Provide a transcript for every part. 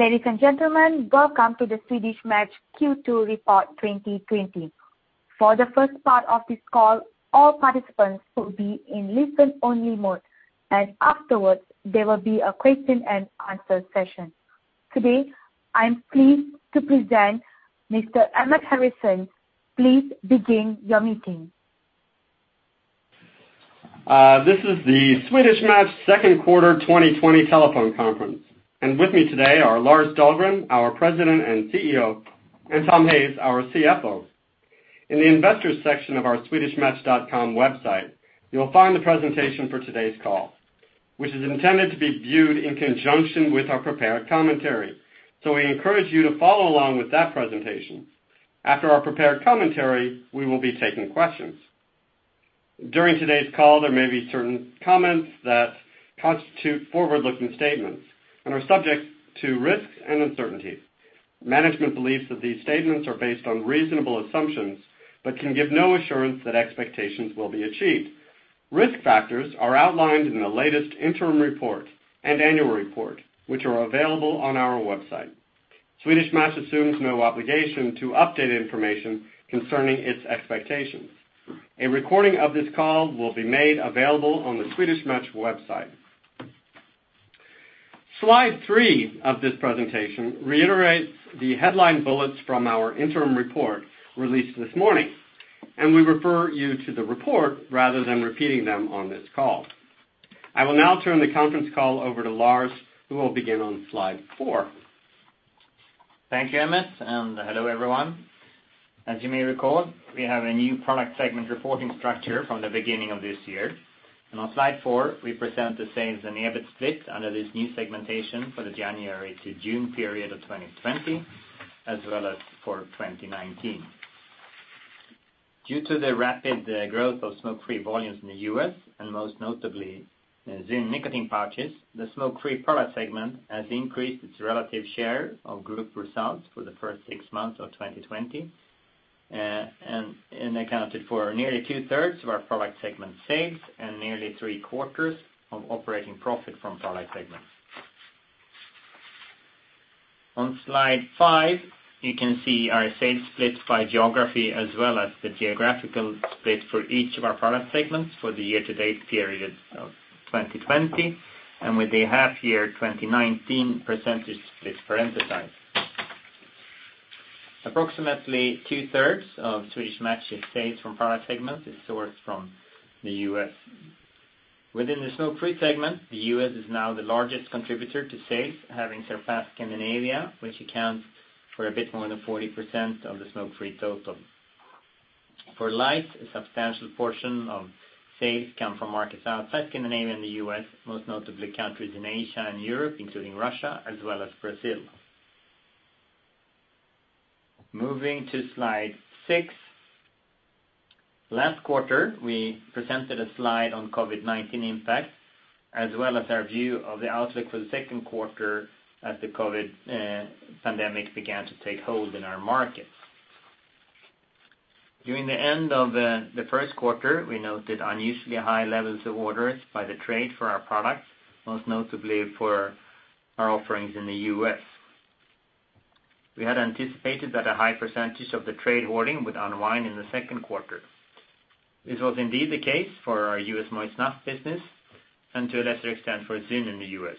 Ladies and gentlemen, welcome to the Swedish Match Q2 Report 2020. For the first part of this call, all participants will be in listen only mode, and afterwards there will be a question and answer session. Today, I'm pleased to present Mr. Emmett Harrison. Please begin your meeting. This is the Swedish Match second quarter 2020 telephone conference, and with me today are Lars Dahlgren, our President and CEO, and Tom Hayes, our CFO. In the investors section of our swedishmatch.com website, you'll find the presentation for today's call, which is intended to be viewed in conjunction with our prepared commentary. We encourage you to follow along with that presentation. After our prepared commentary, we will be taking questions. During today's call, there may be certain comments that constitute forward-looking statements and are subject to risks and uncertainties. Management believes that these statements are based on reasonable assumptions but can give no assurance that expectations will be achieved. Risk factors are outlined in the latest interim report and annual report, which are available on our website. Swedish Match assumes no obligation to update information concerning its expectations. A recording of this call will be made available on the Swedish Match website. Slide three of this presentation reiterates the headline bullets from our interim report released this morning. We refer you to the report rather than repeating them on this call. I will now turn the conference call over to Lars, who will begin on slide four. Thank you, Emmett, and hello, everyone. As you may recall, we have a new product segment reporting structure from the beginning of this year. On slide four, we present the sales and EBIT split under this new segmentation for the January to June period of 2020, as well as for 2019. Due to the rapid growth of smoke-free volumes in the U.S., and most notably ZYN nicotine pouches, the smoke-free product segment has increased its relative share of group results for the first six months of 2020, and accounted for nearly two-thirds of our product segment sales, and nearly three-quarters of operating profit from product segments. On slide five, you can see our sales split by geography as well as the geographical split for each of our product segments for the year-to-date period of 2020, and with the half year 2019 percentage split parenthesized. Approximately two-thirds of Swedish Match's sales from product segments is sourced from the U.S. Within the smoke-free segment, the U.S. is now the largest contributor to sales, having surpassed Scandinavia, which accounts for a bit more than 40% of the smoke-free total. For lights, a substantial portion of sales come from markets outside Scandinavia and the U.S., most notably countries in Asia and Europe, including Russia as well as Brazil. Moving to slide six. Last quarter, we presented a slide on COVID-19 impacts, as well as our view of the outlook for the second quarter as the COVID pandemic began to take hold in our markets. During the end of the first quarter, we noted unusually high levels of orders by the trade for our products, most notably for our offerings in the U.S. We had anticipated that a high percentage of the trade hoarding would unwind in the second quarter. This was indeed the case for our U.S. moist snuff business and to a lesser extent, for ZYN in the U.S.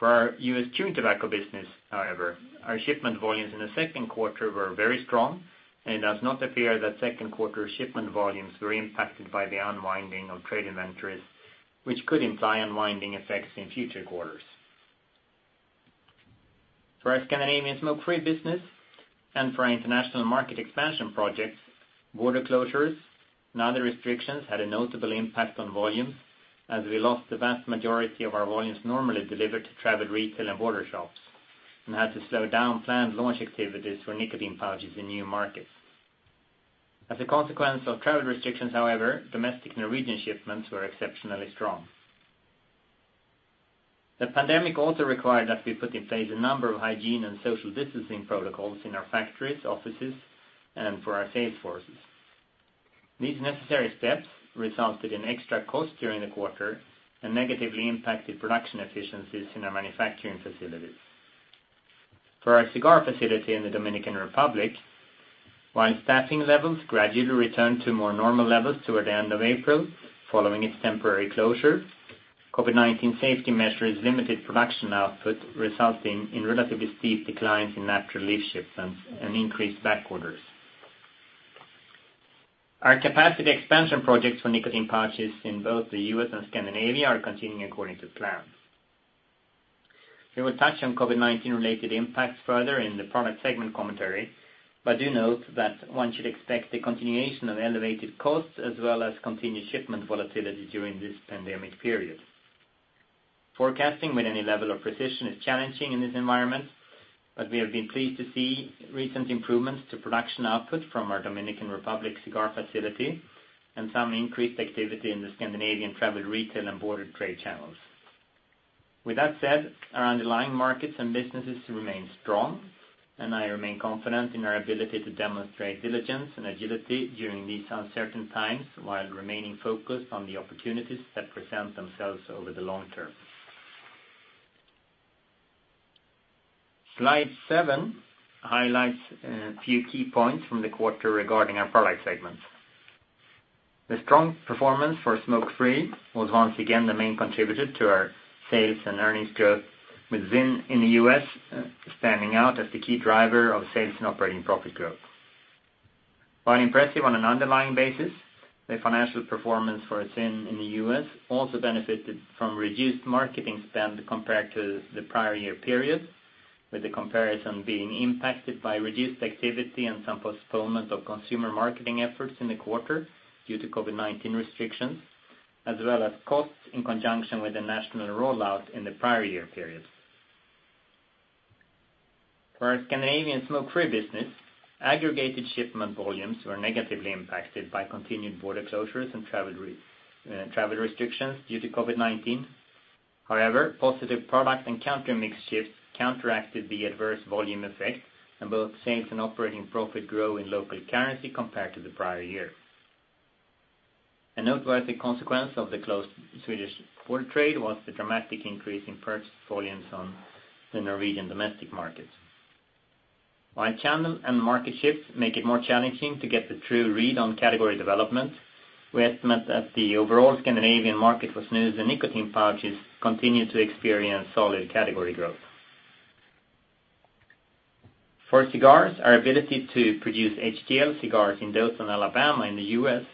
For our U.S. chew tobacco business, however, our shipment volumes in the second quarter were very strong, and it does not appear that second quarter shipment volumes were impacted by the unwinding of trade inventories, which could imply unwinding effects in future quarters. For our Scandinavian smoke-free business and for our international market expansion projects, border closures and other restrictions had a notable impact on volumes as we lost the vast majority of our volumes normally delivered to travel, retail, and border shops, and had to slow down planned launch activities for nicotine pouches in new markets. As a consequence of travel restrictions, however, domestic Norwegian shipments were exceptionally strong. The pandemic also required that we put in place a number of hygiene and social distancing protocols in our factories, offices, and for our sales forces. These necessary steps resulted in extra costs during the quarter and negatively impacted production efficiencies in our manufacturing facilities. For our cigar facility in the Dominican Republic, while staffing levels gradually returned to more normal levels toward the end of April, following its temporary closure, COVID-19 safety measures limited production output, resulting in relatively steep declines in natural leaf shipments and increased back orders. Our capacity expansion projects for nicotine pouches in both the U.S. and Scandinavia are continuing according to plan. We will touch on COVID-19 related impacts further in the product segment commentary, but do note that one should expect the continuation of elevated costs as well as continued shipment volatility during this pandemic period. Forecasting with any level of precision is challenging in this environment, but we have been pleased to see recent improvements to production output from our Dominican Republic cigar facility and some increased activity in the Scandinavian travel, retail, and border trade channels. With that said, our underlying markets and businesses remain strong. I remain confident in our ability to demonstrate diligence and agility during these uncertain times, while remaining focused on the opportunities that present themselves over the long term. Slide seven highlights a few key points from the quarter regarding our product segments. The strong performance for smoke-free was once again the main contributor to our sales and earnings growth, with ZYN in the U.S. standing out as the key driver of sales and operating profit growth. While impressive on an underlying basis, the financial performance for ZYN in the U.S. also benefited from reduced marketing spend compared to the prior year period, with the comparison being impacted by reduced activity and some postponement of consumer marketing efforts in the quarter due to COVID-19 restrictions, as well as costs in conjunction with the national rollout in the prior year period. For our Scandinavian smoke-free business, aggregated shipment volumes were negatively impacted by continued border closures and travel restrictions due to COVID-19. However, positive product and counter mix shifts counteracted the adverse volume effect on both sales and operating profit growth in local currency compared to the prior year. A noteworthy consequence of the closed Swedish border trade was the dramatic increase in purchase volumes on the Norwegian domestic market. While channel and market shifts make it more challenging to get a true read on category development, we estimate that the overall Scandinavian market for snus and nicotine pouches continued to experience solid category growth. For cigars, our ability to produce HTL cigars in Dothan, Alabama, in the U.S.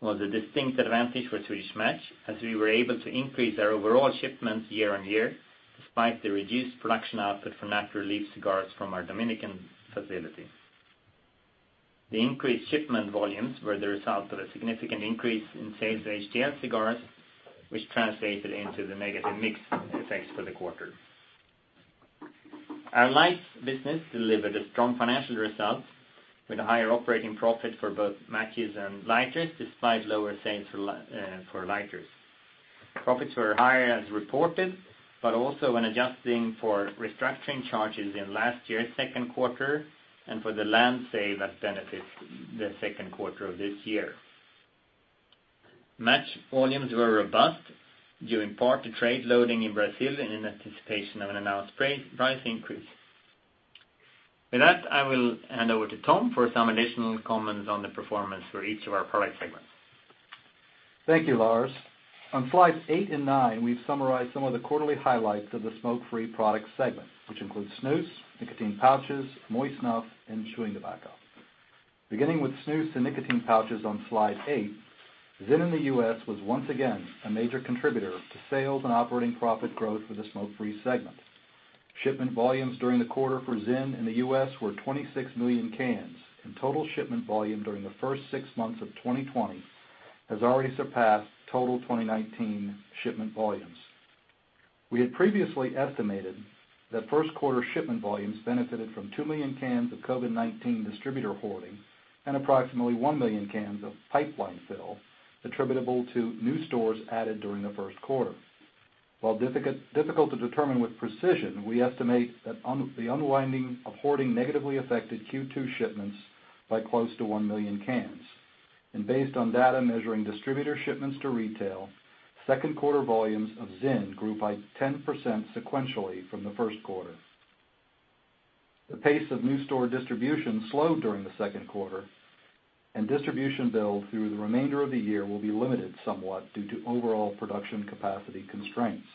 was a distinct advantage for Swedish Match, as we were able to increase our overall shipments year-on-year, despite the reduced production output from natural leaf cigars from our Dominican facility. The increased shipment volumes were the result of a significant increase in sales of HTL cigars, which translated into the negative mix effects for the quarter. Our lights business delivered a strong financial result with a higher operating profit for both matches and lighters, despite lower sales for lighters. Profits were higher as reported, also when adjusting for restructuring charges in last year's second quarter and for the land sale that benefited the second quarter of this year. Match volumes were robust due in part to trade loading in Brazil in anticipation of an announced price increase. With that, I will hand over to Tom for some additional comments on the performance for each of our product segments. Thank you, Lars. On slides eight and nine, we've summarized some of the quarterly highlights of the smoke-free product segment, which includes snus, nicotine pouches, moist snuff, and chewing tobacco. Beginning with snus and nicotine pouches on slide eight, ZYN in the U.S. was once again a major contributor to sales and operating profit growth for the smoke-free segment. Shipment volumes during the quarter for ZYN in the U.S. were 26 million cans, and total shipment volume during the first six months of 2020 has already surpassed total 2019 shipment volumes. We had previously estimated that first quarter shipment volumes benefited from 2 million cans of COVID-19 distributor hoarding and approximately 1 million cans of pipeline fill attributable to new stores added during the first quarter. While difficult to determine with precision, we estimate that the unwinding of hoarding negatively affected Q2 shipments by close to 1 million cans. Based on data measuring distributor shipments to retail, second quarter volumes of ZYN grew by 10% sequentially from the first quarter. The pace of new store distribution slowed during the second quarter, and distribution build through the remainder of the year will be limited somewhat due to overall production capacity constraints.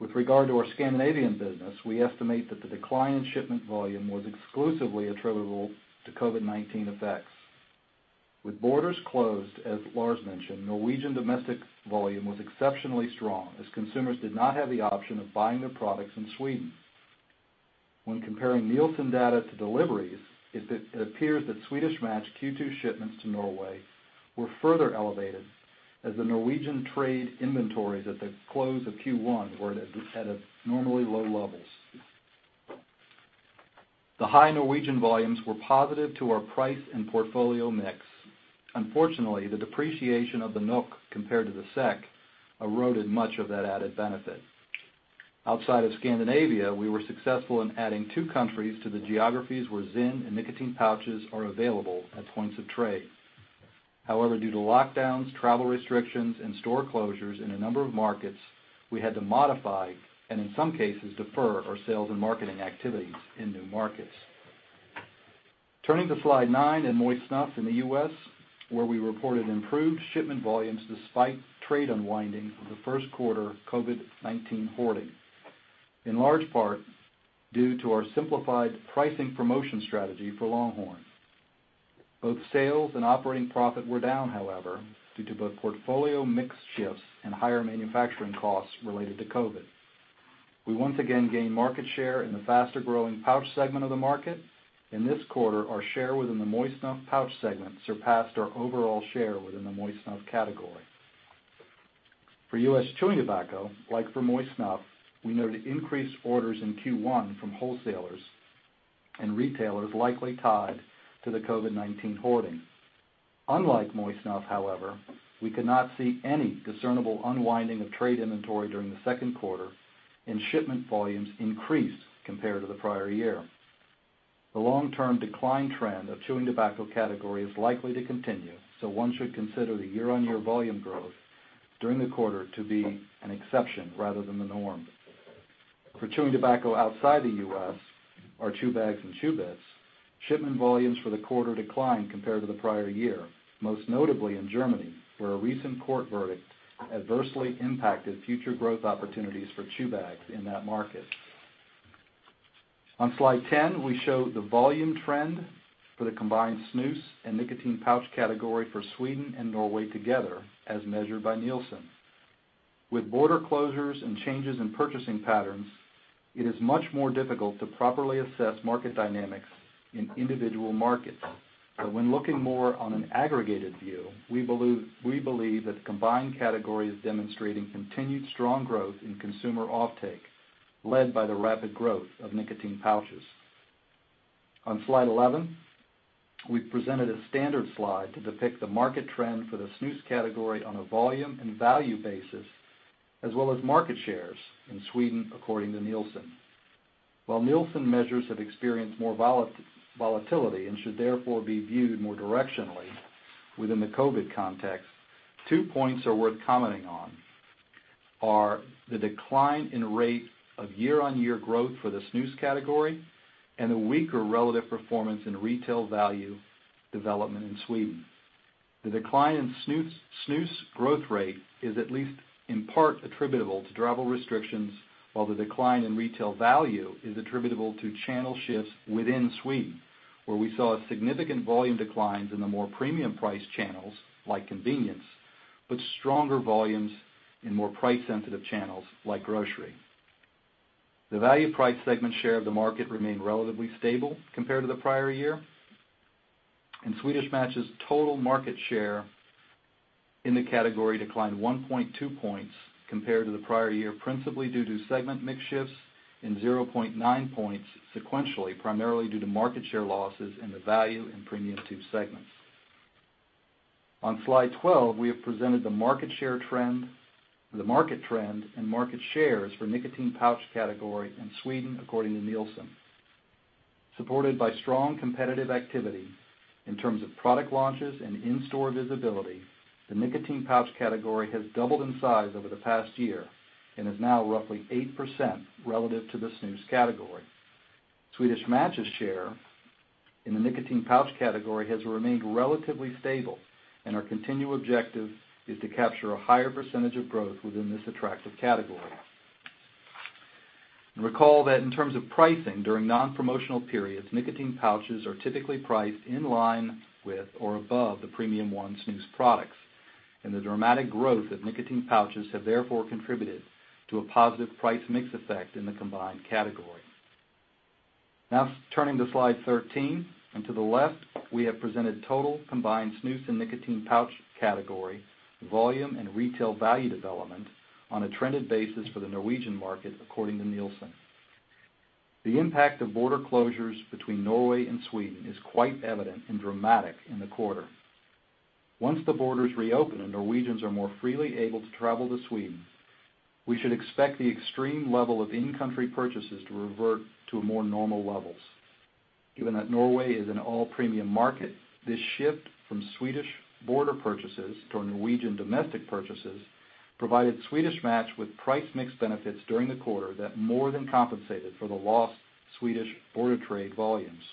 With regard to our Scandinavian business, we estimate that the decline in shipment volume was exclusively attributable to COVID-19 effects. With borders closed, as Lars mentioned, Norwegian domestic volume was exceptionally strong as consumers did not have the option of buying their products in Sweden. When comparing Nielsen data to deliveries, it appears that Swedish Match Q2 shipments to Norway were further elevated as the Norwegian trade inventories at the close of Q1 were at normally low levels. The high Norwegian volumes were positive to our price and portfolio mix. Unfortunately, the depreciation of the NOK compared to the SEK eroded much of that added benefit. Outside of Scandinavia, we were successful in adding two countries to the geographies where ZYN and nicotine pouches are available at points of trade. Due to lockdowns, travel restrictions, and store closures in a number of markets, we had to modify, and in some cases, defer our sales and marketing activities in new markets. Turning to slide nine and moist snuffs in the U.S., where we reported improved shipment volumes despite trade unwinding from the first quarter COVID-19 hoarding, in large part due to our simplified pricing promotion strategy for Longhorn. Both sales and operating profit were down, however, due to both portfolio mix shifts and higher manufacturing costs related to COVID. We once again gained market share in the faster-growing pouch segment of the market. In this quarter, our share within the moist snuff pouch segment surpassed our overall share within the moist snuff category. For U.S. chewing tobacco, like for moist snuff, we noted increased orders in Q1 from wholesalers and retailers likely tied to the COVID-19 hoarding. Unlike moist snuff, however, we could not see any discernible unwinding of trade inventory during the second quarter, and shipment volumes increased compared to the prior year. The long-term decline trend of chewing tobacco category is likely to continue. One should consider the year-over-year volume growth during the quarter to be an exception rather than the norm. For chewing tobacco outside the U.S., our chew bags and tobacco bits, shipment volumes for the quarter declined compared to the prior year, most notably in Germany, where a recent court verdict adversely impacted future growth opportunities for chew bags in that market. On slide 10, we show the volume trend for the combined snus and nicotine pouch category for Sweden and Norway together as measured by Nielsen. With border closures and changes in purchasing patterns, it is much more difficult to properly assess market dynamics in individual markets. When looking more on an aggregated view, we believe that the combined category is demonstrating continued strong growth in consumer offtake, led by the rapid growth of nicotine pouches. On slide 11, we've presented a standard slide to depict the market trend for the snus category on a volume and value basis, as well as market shares in Sweden according to Nielsen. While Nielsen measures have experienced more volatility and should therefore be viewed more directionally within the COVID context, two points are worth commenting on are the decline in rate of year-on-year growth for the snus category and the weaker relative performance in retail value development in Sweden. The decline in snus growth rate is at least in part attributable to travel restrictions, while the decline in retail value is attributable to channel shifts within Sweden, where we saw significant volume declines in the more premium price channels, like convenience, but stronger volumes in more price-sensitive channels, like grocery. The value price segment share of the market remained relatively stable compared to the prior year. Swedish Match's total market share in the category declined 1.2 points compared to the prior year, principally due to segment mix shifts in 0.9 points sequentially, primarily due to market share losses in the value and premium 2 segments. On slide 12, we have presented the market trend and market shares for nicotine pouch category in Sweden according to Nielsen. Supported by strong competitive activity in terms of product launches and in-store visibility, the nicotine pouch category has doubled in size over the past year and is now roughly 8% relative to the snus category. Swedish Match's share in the nicotine pouch category has remained relatively stable, and our continual objective is to capture a higher percentage of growth within this attractive category. Recall that in terms of pricing, during non-promotional periods, nicotine pouches are typically priced in line with or above the premium ONE snus products, and the dramatic growth of nicotine pouches have therefore contributed to a positive price mix effect in the combined category. Now turning to slide 13, and to the left, we have presented total combined snus and nicotine pouch category volume and retail value development on a trended basis for the Norwegian market according to Nielsen. The impact of border closures between Norway and Sweden is quite evident and dramatic in the quarter. Once the borders reopen and Norwegians are more freely able to travel to Sweden, we should expect the extreme level of in-country purchases to revert to more normal levels. Given that Norway is an all premium market, this shift from Swedish border purchases to Norwegian domestic purchases provided Swedish Match with price mixed benefits during the quarter that more than compensated for the lost Swedish border trade volumes.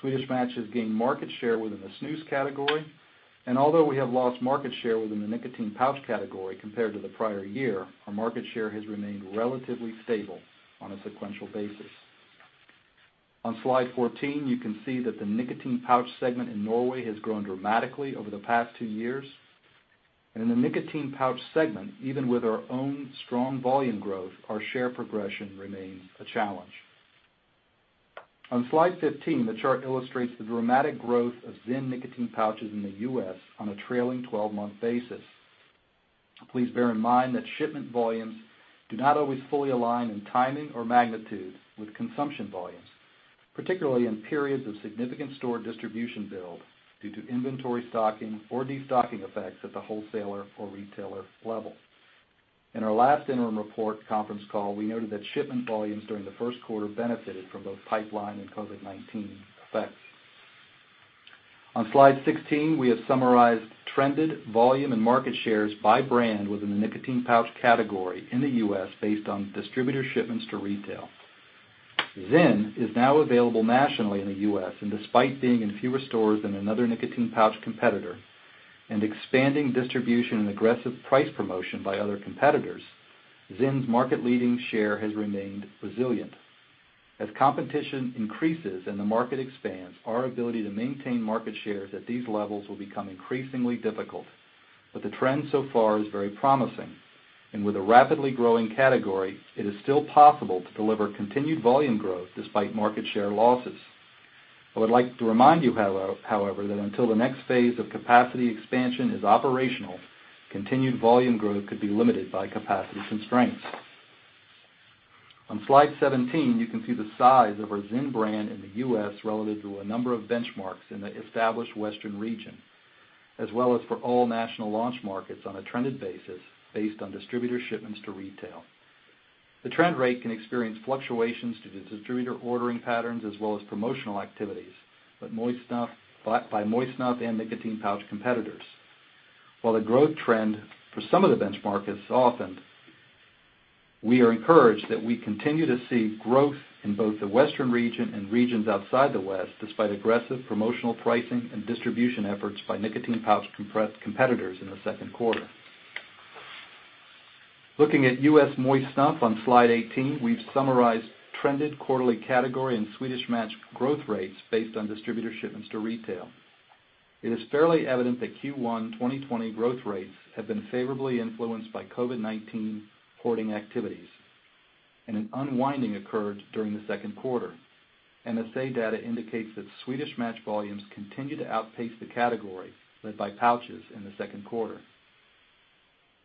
Swedish Match has gained market share within the snus category, and although we have lost market share within the nicotine pouch category compared to the prior year, our market share has remained relatively stable on a sequential basis. On slide 14, you can see that the nicotine pouch segment in Norway has grown dramatically over the past two years. In the nicotine pouch segment, even with our own strong volume growth, our share progression remains a challenge. On slide 15, the chart illustrates the dramatic growth of ZYN nicotine pouches in the U.S. on a trailing 12-month basis. Please bear in mind that shipment volumes do not always fully align in timing or magnitude with consumption volumes, particularly in periods of significant store distribution build due to inventory stocking or destocking effects at the wholesaler or retailer level. In our last interim report conference call, we noted that shipment volumes during the first quarter benefited from both pipeline and COVID-19 effects. On slide 16, we have summarized trended volume and market shares by brand within the nicotine pouch category in the U.S. based on distributor shipments to retail. ZYN is now available nationally in the U.S., and despite being in fewer stores than another nicotine pouch competitor and expanding distribution and aggressive price promotion by other competitors, ZYN's market leading share has remained resilient. As competition increases and the market expands, our ability to maintain market shares at these levels will become increasingly difficult. The trend so far is very promising. With a rapidly growing category, it is still possible to deliver continued volume growth despite market share losses. I would like to remind you, however, that until the next phase of capacity expansion is operational, continued volume growth could be limited by capacity constraints. On slide 17, you can see the size of our ZYN brand in the U.S. relative to a number of benchmarks in the established western region, as well as for all national launch markets on a trended basis based on distributor shipments to retail. The trend rate can experience fluctuations due to distributor ordering patterns as well as promotional activities by moist snuff and nicotine pouch competitors. While the growth trend for some of the benchmarks softened, we are encouraged that we continue to see growth in both the western region and regions outside the west, despite aggressive promotional pricing and distribution efforts by nicotine pouch competitors in the second quarter. Looking at U.S. moist snuff on slide 18, we've summarized trended quarterly category and Swedish Match growth rates based on distributor shipments to retail. It is fairly evident that Q1 2020 growth rates have been favorably influenced by COVID-19 hoarding activities, and an unwinding occurred during the second quarter. MSAi data indicates that Swedish Match volumes continue to outpace the category, led by pouches in the second quarter.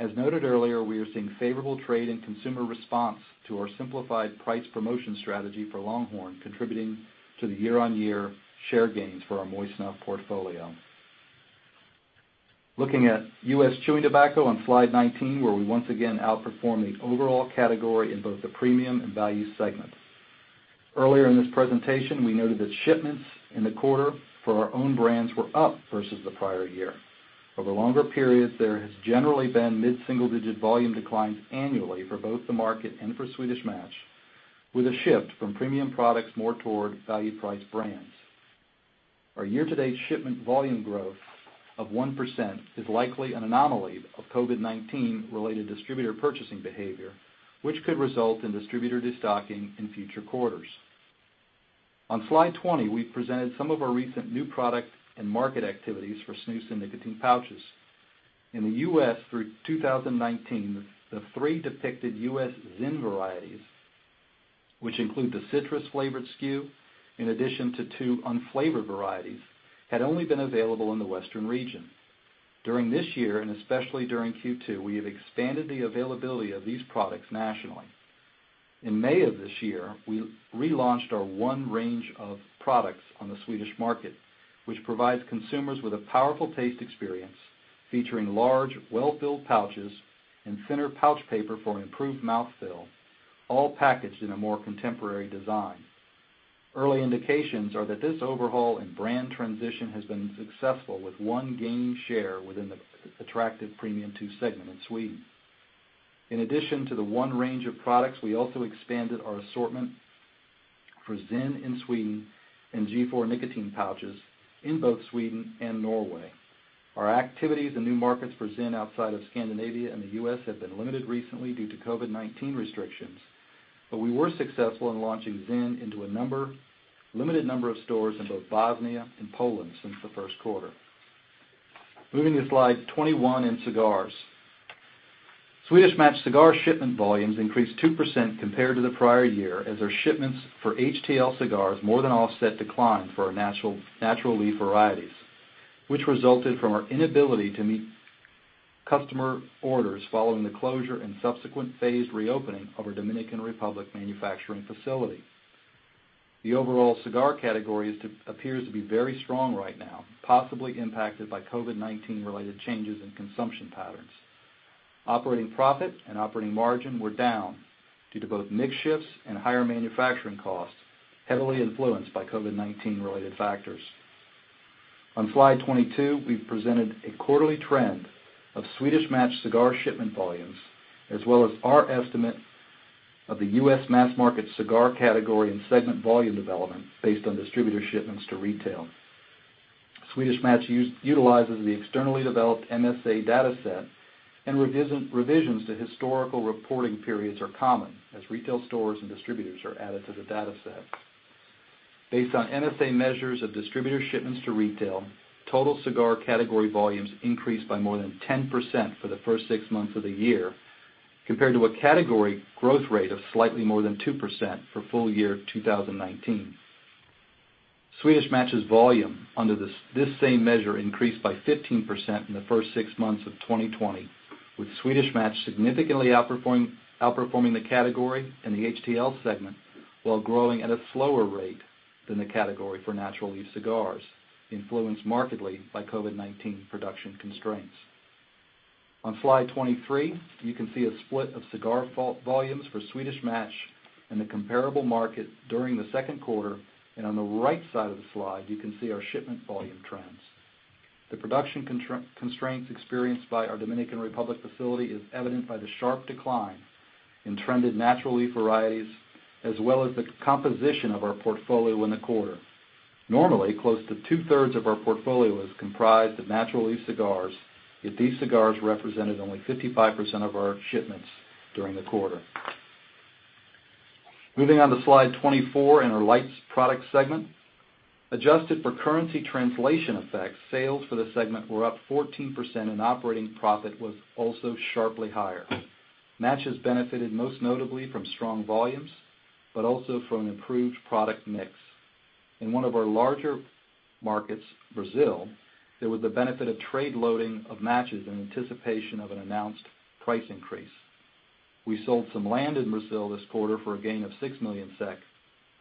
As noted earlier, we are seeing favorable trade and consumer response to our simplified price promotion strategy for Longhorn, contributing to the year-on-year share gains for our moist snuff portfolio. Looking at U.S. chewing tobacco on slide 19, where we once again outperform the overall category in both the premium and value segments. Earlier in this presentation, we noted that shipments in the quarter for our own brands were up versus the prior year. Over longer periods, there has generally been mid-single-digit volume declines annually for both the market and for Swedish Match, with a shift from premium products more toward value-priced brands. Our year-to-date shipment volume growth of 1% is likely an anomaly of COVID-19 related distributor purchasing behavior, which could result in distributor de-stocking in future quarters. On slide 20, we've presented some of our recent new product and market activities for snus and nicotine pouches. In the U.S., through 2019, the three depicted U.S. ZYN varieties, which include the citrus-flavored SKU, in addition to two unflavored varieties, had only been available in the western region. During this year, and especially during Q2, we have expanded the availability of these products nationally. In May of this year, we relaunched our ONE range of products on the Swedish market, which provides consumers with a powerful taste experience featuring large, well-filled pouches and thinner pouch paper for improved mouth feel, all packaged in a more contemporary design. Early indications are that this overhaul and brand transition has been successful, with ONE gaining share within the attractive premium 2 segment in Sweden. In addition to the ONE range of products, we also expanded our assortment for ZYN in Sweden and G.4 nicotine pouches in both Sweden and Norway. Our activities and new markets for ZYN outside of Scandinavia and the U.S. have been limited recently due to COVID-19 restrictions, but we were successful in launching ZYN into a limited number of stores in both Bosnia and Poland since the first quarter. Moving to slide 21 in cigars. Swedish Match cigar shipment volumes increased 2% compared to the prior year as our shipments for HTL cigars more than offset decline for our natural leaf varieties, which resulted from our inability to meet customer orders following the closure and subsequent phased reopening of our Dominican Republic manufacturing facility. The overall cigar category appears to be very strong right now, possibly impacted by COVID-19 related changes in consumption patterns. Operating profit and operating margin were down due to both mix shifts and higher manufacturing costs, heavily influenced by COVID-19 related factors. On slide 22, we've presented a quarterly trend of Swedish Match cigar shipment volumes as well as our estimate of the U.S. mass market cigar category and segment volume development based on distributor shipments to retail. Swedish Match utilizes the externally developed MSAi data set, and revisions to historical reporting periods are common as retail stores and distributors are added to the data set. Based on MSAi measures of distributor shipments to retail, total cigar category volumes increased by more than 10% for the first six months of the year, compared to a category growth rate of slightly more than 2% for full year 2019. Swedish Match's volume under this same measure increased by 15% in the first six months of 2020, with Swedish Match significantly outperforming the category in the HTL segment, while growing at a slower rate than the category for natural leaf cigars, influenced markedly by COVID-19 production constraints. On slide 23, you can see a split of cigar volumes for Swedish Match in the comparable market during the second quarter, and on the right side of the slide, you can see our shipment volume trends. The production constraints experienced by our Dominican Republic facility is evident by the sharp decline in trended natural leaf varieties, as well as the composition of our portfolio in the quarter. Normally, close to two-thirds of our portfolio is comprised of natural leaf cigars, yet these cigars represented only 55% of our shipments during the quarter. Moving on to slide 24 in our lights product segment. Adjusted for currency translation effects, sales for the segment were up 14%, and operating profit was also sharply higher. Match has benefited most notably from strong volumes, but also from improved product mix. In one of our larger markets, Brazil, there was the benefit of trade loading of matches in anticipation of an announced price increase. We sold some land in Brazil this quarter for a gain of 6 million SEK,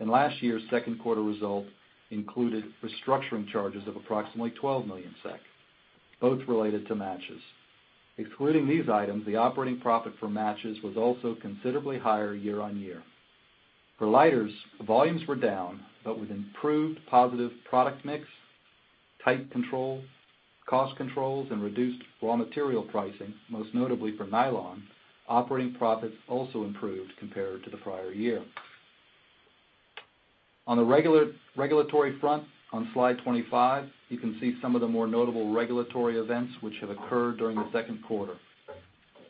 and last year's second quarter result included restructuring charges of approximately 12 million SEK, both related to matches. Excluding these items, the operating profit for matches was also considerably higher year-on-year. For lighters, the volumes were down, but with improved positive product mix, tight control, cost controls, and reduced raw material pricing, most notably for nylon, operating profits also improved compared to the prior year. On the regulatory front, on slide 25, you can see some of the more notable regulatory events which have occurred during the second quarter.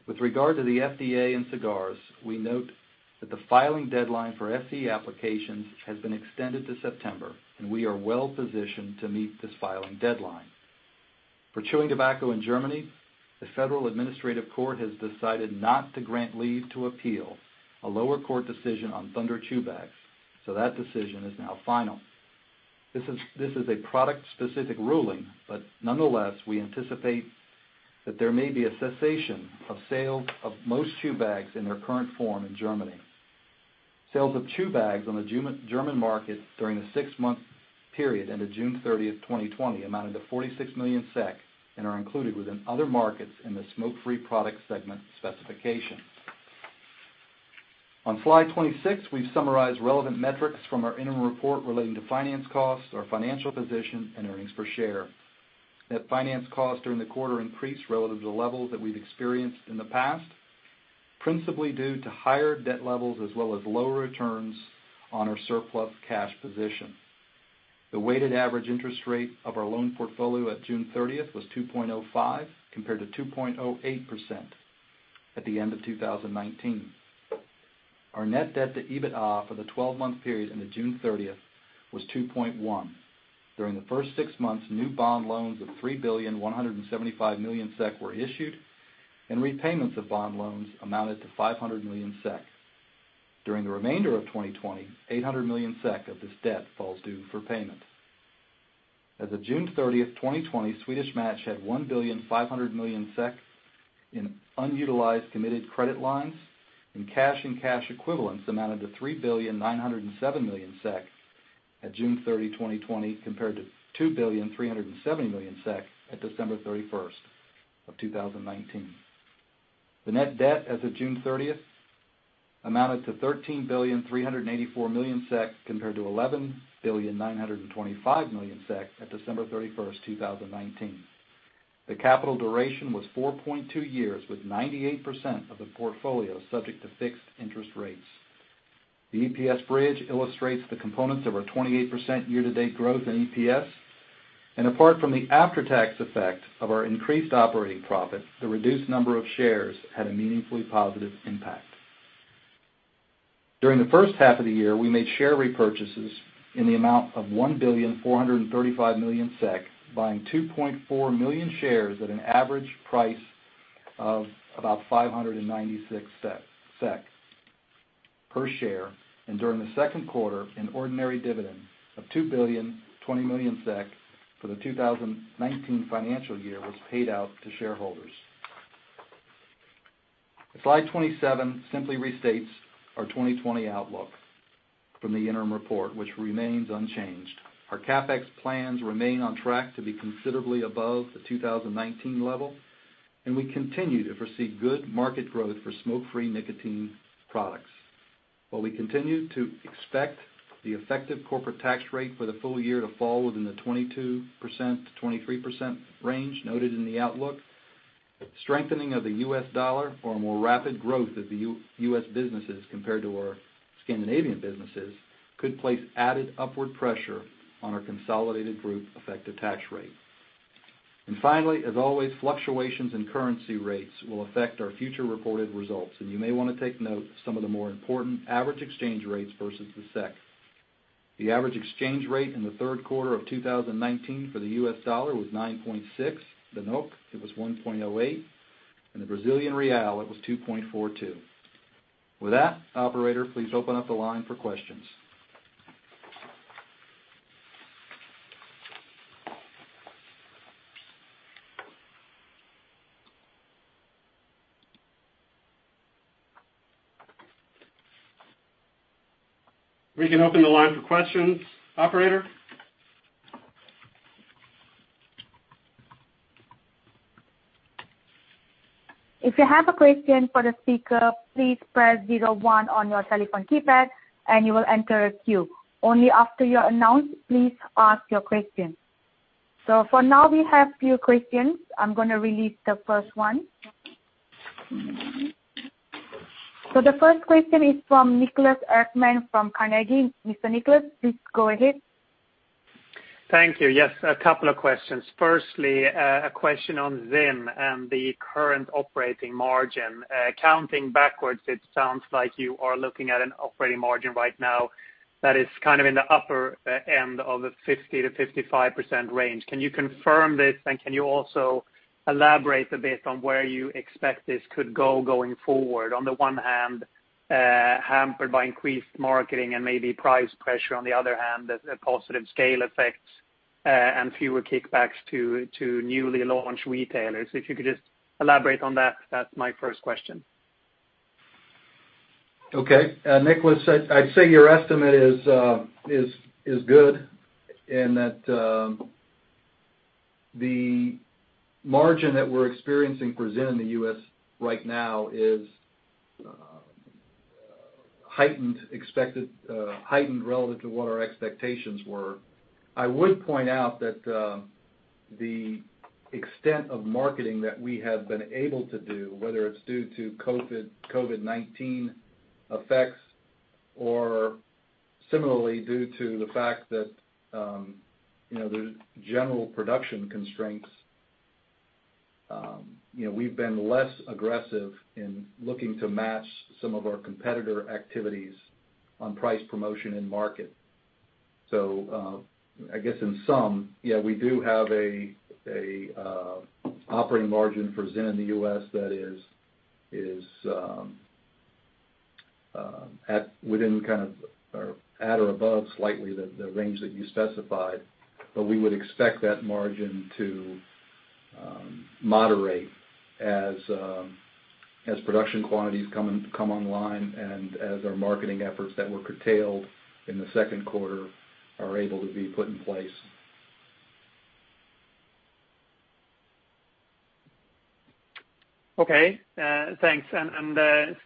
With regard to the FDA and cigars, we note that the filing deadline for FDA applications has been extended to September, and we are well positioned to meet this filing deadline. For chewing tobacco in Germany, the Federal Administrative Court has decided not to grant leave to appeal a lower court decision on Thunder chew bags. That decision is now final. Nonetheless, we anticipate that there may be a cessation of sales of most chew bags in their current form in Germany. Sales of chew bags on the German market during the six-month period end of June 30, 2020, amounted to 46 million SEK and are included within other markets in the smoke-free product segment specification. On slide 26, we've summarized relevant metrics from our interim report relating to finance costs, our financial position, and earnings per share. Net finance costs during the quarter increased relative to levels that we've experienced in the past, principally due to higher debt levels as well as lower returns on our surplus cash position. The weighted average interest rate of our loan portfolio at June 30th was 2.05% compared to 2.08% at the end of 2019. Our net debt to EBITDA for the 12-month period ending June 30th was 2.1. During the first six months, new bond loans of 3,175,000,000 SEK were issued, and repayments of bond loans amounted to 500 million SEK. During the remainder of 2020, 800 million SEK of this debt falls due for payment. As of June 30th, 2020, Swedish Match had 1.5 billion SEK in unutilized committed credit lines, cash and cash equivalents amounted to 3.907 billion at June 30, 2020, compared to 2.37 billion at December 31st of 2019. The net debt as of June 30th amounted to 13.384 billion compared to 11.925 billion at December 31st, 2019. The capital duration was 4.2 years with 98% of the portfolio subject to fixed interest rates. The EPS bridge illustrates the components of our 28% year-to-date growth in EPS. Apart from the after-tax effect of our increased operating profit, the reduced number of shares had a meaningfully positive impact. During the first half of the year, we made share repurchases in the amount of 1.435 billion SEK, buying 2.4 million shares at an average price of about 596 SEK per share. During the second quarter, an ordinary dividend of 2,020,000,000 SEK for the 2019 financial year was paid out to shareholders. Slide 27 simply restates our 2020 outlook from the interim report, which remains unchanged. Our CapEx plans remain on track to be considerably above the 2019 level, and we continue to foresee good market growth for smoke-free nicotine products. While we continue to expect the effective corporate tax rate for the full year to fall within the 22%-23% range noted in the outlook, strengthening of the US dollar or a more rapid growth of the US businesses compared to our Scandinavian businesses could place added upward pressure on our consolidated group effective tax rate. Finally, as always, fluctuations in currency rates will affect our future reported results, and you may want to take note of some of the more important average exchange rates versus the SEK. The average exchange rate in the third quarter of 2019 for the US dollar was 9.6. The NOK, it was 1.08. The Brazilian real, it was 2.42. With that, operator, please open up the line for questions. We can open the line for questions, operator. If you have a question for the speaker, please press zero one on your telephone keypad and you will enter a queue. Only after you're announced, please ask your question. For now, we have few questions. I'm gonna release the first one. The first question is from Niklas Ekman from Carnegie. Mr. Niklas, please go ahead. Thank you. Yes, a couple of questions. Firstly, a question on ZYN and the current operating margin. Counting backwards, it sounds like you are looking at an operating margin right now that is kind of in the upper end of the 50%-55% range. Can you confirm this, and can you also elaborate a bit on where you expect this could go going forward? On the one hand-hampered by increased marketing and maybe price pressure on the other hand, as positive scale effects, and fewer kickbacks to newly launched retailers. If you could just elaborate on that's my first question. Okay. Niklas, I'd say your estimate is good in that the margin that we're experiencing for ZYN in the U.S. right now is heightened relative to what our expectations were. I would point out that the extent of marketing that we have been able to do, whether it's due to COVID-19 effects or similarly due to the fact that there's general production constraints, we've been less aggressive in looking to match some of our competitor activities on price promotion and market. I guess in sum, yeah, we do have an operating margin for ZYN in the U.S. that is at or above slightly the range that you specified, but we would expect that margin to moderate as production quantities come online and as our marketing efforts that were curtailed in the second quarter are able to be put in place. Okay, thanks.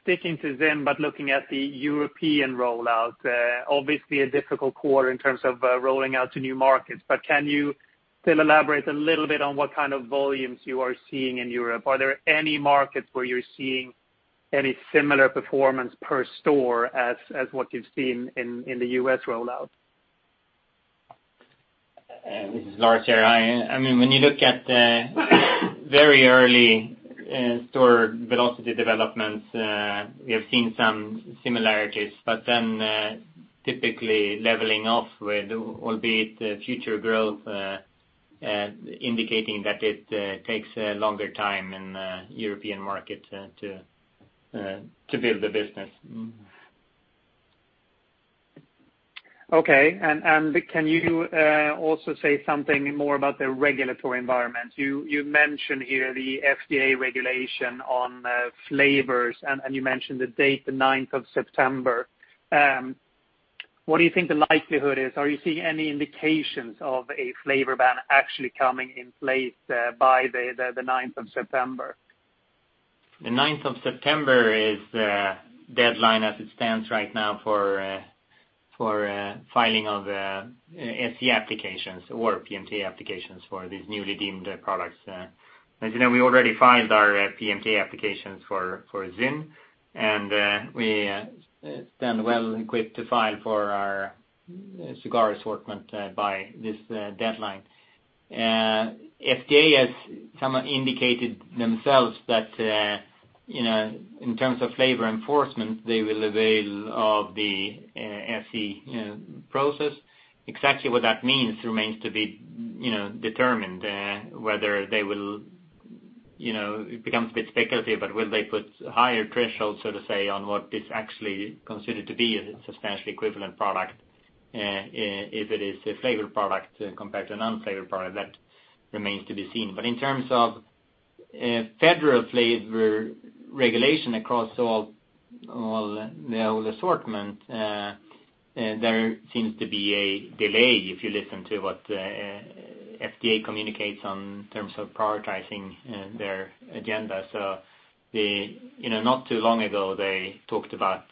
Sticking to ZYN, but looking at the European rollout. Obviously a difficult quarter in terms of rolling out to new markets, but can you still elaborate a little bit on what kind of volumes you are seeing in Europe? Are there any markets where you're seeing any similar performance per store as what you've seen in the U.S. rollout? This is Lars here. When you look at very early store velocity developments, we have seen some similarities. Typically leveling off with, albeit future growth, indicating that it takes a longer time in the European market to build the business. Okay. Can you also say something more about the regulatory environment? You mentioned here the FDA regulation on flavors, and you mentioned the date, the 9th of September. What do you think the likelihood is? Are you seeing any indications of a flavor ban actually coming in place by the 9th of September? The 9th of September is the deadline as it stands right now for filing of SE applications or PMTA applications for these newly deemed products. As you know, we already filed our PMTA applications for ZYN, and we stand well-equipped to file for our cigar assortment by this deadline. FDA has indicated themselves that in terms of Flavor Enforcement, they will avail of the SE process. Exactly what that means remains to be determined, whether they will, it becomes a bit speculative, but will they put higher thresholds, so to say, on what is actually considered to be a substantially equivalent product, if it is a flavored product compared to a non-flavored product? That remains to be seen. In terms of federal flavor regulation across the whole assortment, there seems to be a delay if you listen to what FDA communicates on in terms of prioritizing their agenda. Not too long ago, they talked about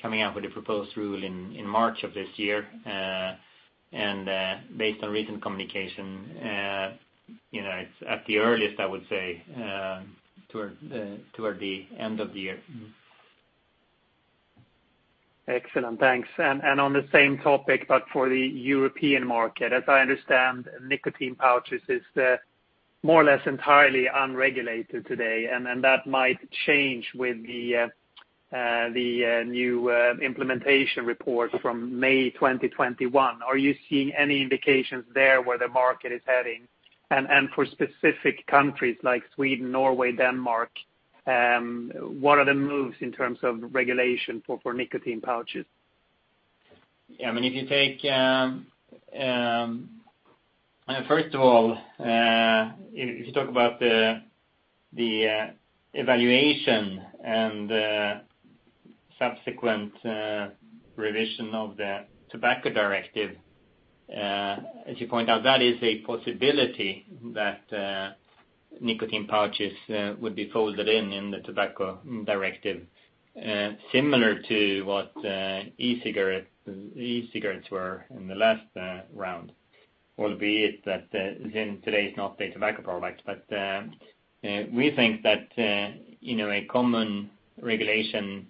coming out with a proposed rule in March of this year, and based on recent communication, it's at the earliest, I would say, toward the end of the year. Excellent, thanks. On the same topic, but for the European market, as I understand, nicotine pouches is more or less entirely unregulated today, and that might change with the new implementation report from May 2021. Are you seeing any indications there where the market is heading? For specific countries like Sweden, Norway, Denmark, what are the moves in terms of regulation for nicotine pouches? First of all, if you talk about the evaluation and the subsequent revision of the Tobacco Directive, as you point out, that is a possibility that nicotine pouches would be folded in in the Tobacco Directive, similar to what e-cigarettes were in the last round. Albeit that ZYN today is not a tobacco product. We think that a common regulation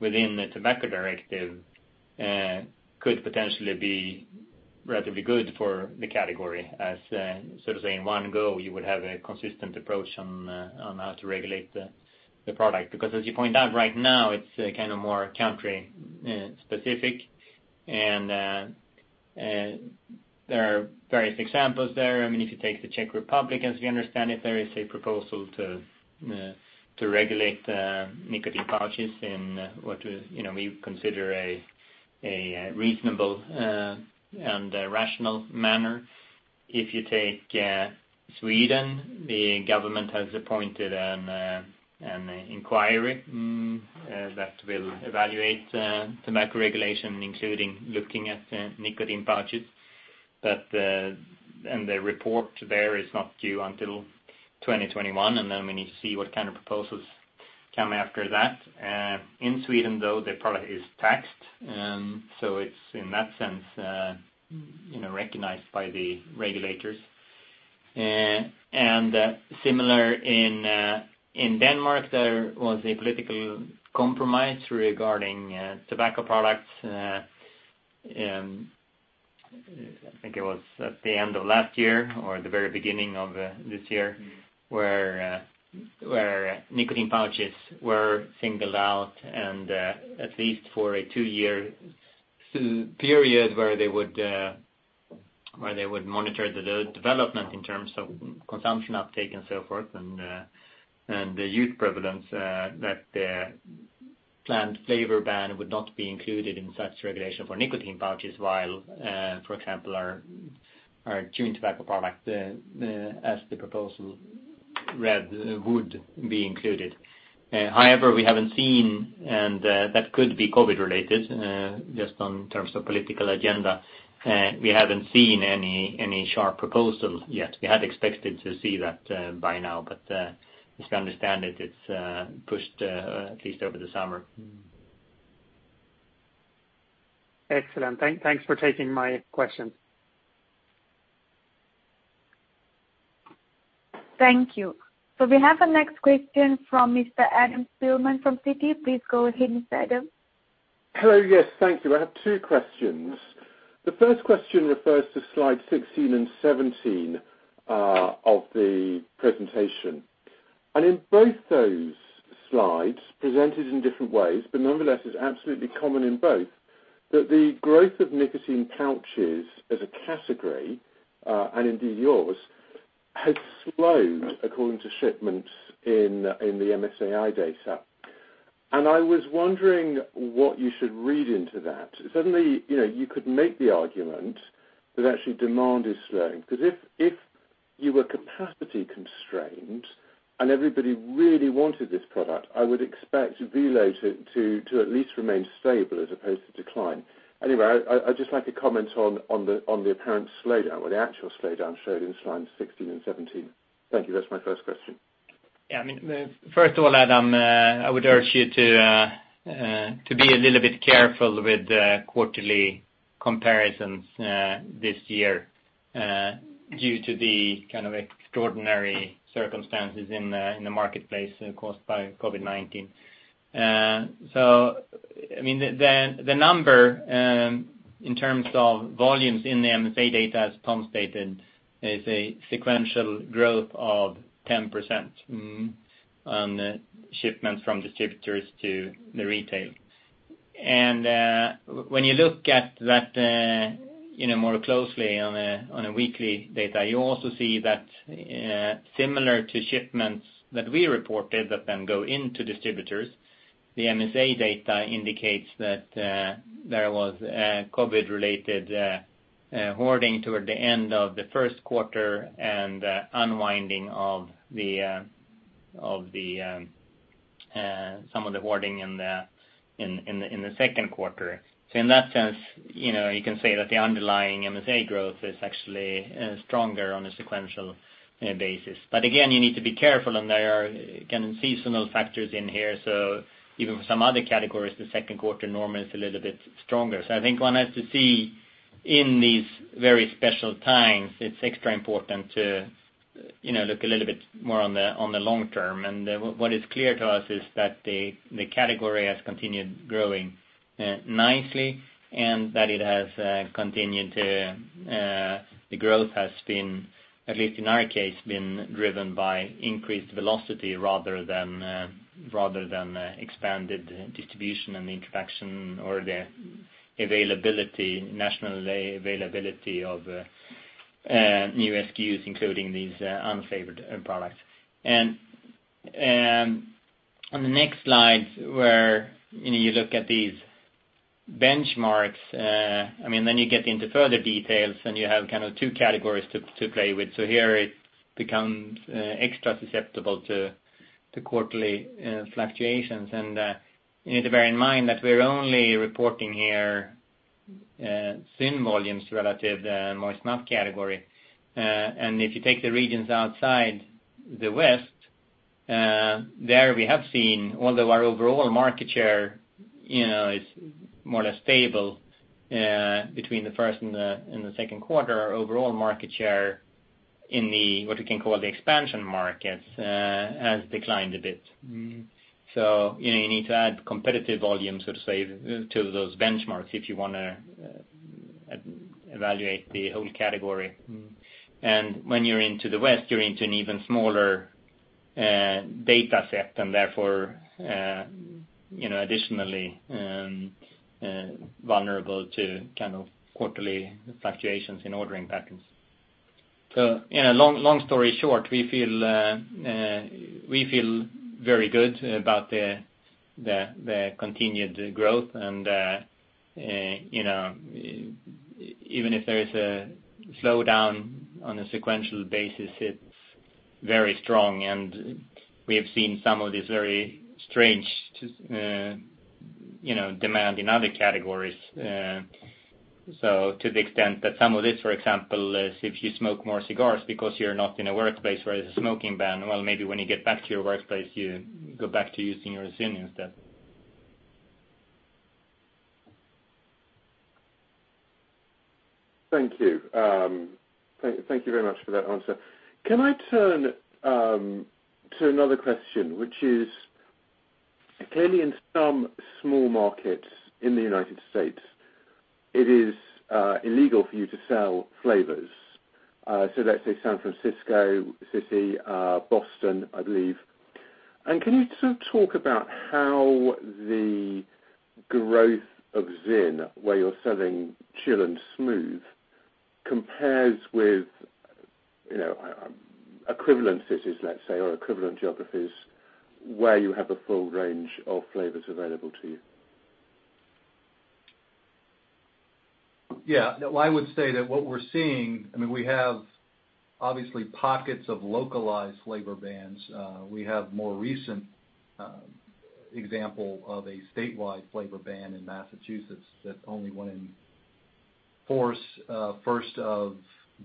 within the Tobacco Directive could potentially be relatively good for the category as, so to say, in one go, you would have a consistent approach on how to regulate the product. As you point out, right now, it's more country-specific and there are various examples there. If you take the Czech Republic, as we understand it, there is a proposal to regulate nicotine pouches in what we consider a reasonable and a rational manner. If you take Sweden, the government has appointed an inquiry that will evaluate tobacco regulation, including looking at nicotine pouches. The report there is not due until 2021. We need to see what kind of proposals come after that. In Sweden, though, the product is taxed. It's, in that sense, recognized by the regulators. Similar in Denmark, there was a political compromise regarding tobacco products. I think it was at the end of last year or the very beginning of this year, where nicotine pouches were singled out and at least for a two-year period where they would monitor the development in terms of consumption uptake and so forth, and the youth prevalence, that the planned flavor ban would not be included in such regulation for nicotine pouches, while, for example, our chewing tobacco product, as the proposal read, would be included. However, we haven't seen, and that could be COVID-19 related, just in terms of political agenda, we haven't seen any sharp proposals yet. We had expected to see that by now, as we understand it's pushed at least over the summer. Excellent. Thanks for taking my question. Thank you. We have the next question from Mr. Adam Spielman from Citi. Please go ahead, Mr. Adam. Hello. Yes, thank you. I have two questions. The first question refers to slide 16 and 17 of the presentation. In both those slides, presented in different ways, but nonetheless, it's absolutely common in both, that the growth of nicotine pouches as a category, and indeed yours, has slowed according to shipments in the MSAi data. I was wondering what you should read into that. Certainly, you could make the argument that actually demand is slowing. Because if you were capacity constrained and everybody really wanted this product, I would expect Velo to at least remain stable as opposed to decline. Anyway, I'd just like a comment on the apparent slowdown or the actual slowdown shown in slides 16 and 17. Thank you. That's my first question. First of all, Adam, I would urge you to be a little bit careful with quarterly comparisons this year due to the kind of extraordinary circumstances in the marketplace caused by COVID-19. The number in terms of volumes in the MSAi data, as Tom stated, is a sequential growth of 10% on shipments from distributors to the retail. When you look at that more closely on a weekly data, you also see that similar to shipments that we reported that then go into distributors, the MSAi data indicates that there was COVID-related hoarding toward the end of the first quarter and unwinding of some of the hoarding in the second quarter. In that sense, you can say that the underlying MSAi growth is actually stronger on a sequential basis. Again, you need to be careful, and there are seasonal factors in here. Even for some other categories, the second quarter normally is a little bit stronger. I think one has to see in these very special times, it's extra important to look a little bit more on the long term. What is clear to us is that the category has continued growing nicely and that the growth has been, at least in our case, been driven by increased velocity rather than expanded distribution and introduction or the national availability of new SKUs, including these [unfavored end product]. On the next slide, where you look at these benchmarks, you get into further details and you have two categories to play with. Here it becomes extra susceptible to quarterly fluctuations. You need to bear in mind that we're only reporting here ZYN volumes relative moist snuff category. If you take the regions outside the West, there we have seen, although our overall market share is more or less stable between the first and the second quarter, our overall market share in what we can call the expansion markets, has declined a bit. You need to add competitive volumes to those benchmarks if you want to evaluate the whole category. When you're into the West, you're into an even smaller data set and therefore, additionally vulnerable to kind of quarterly fluctuations in ordering patterns. Long story short, we feel very good about the continued growth and even if there is a slowdown on a sequential basis, it's very strong and we have seen some of these very strange demand in other categories. To the extent that some of this, for example, is if you smoke more cigars because you're not in a workplace where there's a smoking ban. Maybe when you get back to your workplace, you go back to using your ZYN instead. Thank you. Thank you very much for that answer. Can I turn to another question, which is clearly in some small markets in the U.S., it is illegal for you to sell flavors, so let's say San Francisco, Boston, I believe. Can you sort of talk about how the growth of ZYN, where you're selling Chill and Smooth compares with equivalent cities, let's say, or equivalent geographies where you have a full range of flavors available to you? Yeah. No, I would say that what we're seeing, I mean, we have obviously pockets of localized flavor bans. We have more recent example of a statewide flavor ban in Massachusetts that only went in force 1st of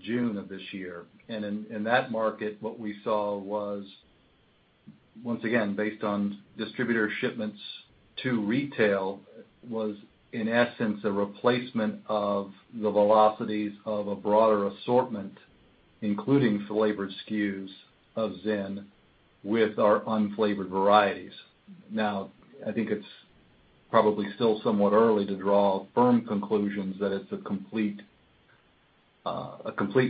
June of this year. In that market, what we saw was, once again, based on distributor shipments to retail, was in essence a replacement of the velocities of a broader assortment, including flavored SKUs of ZYN with our unflavored varieties. Now, I think it's probably still somewhat early to draw firm conclusions that it's a complete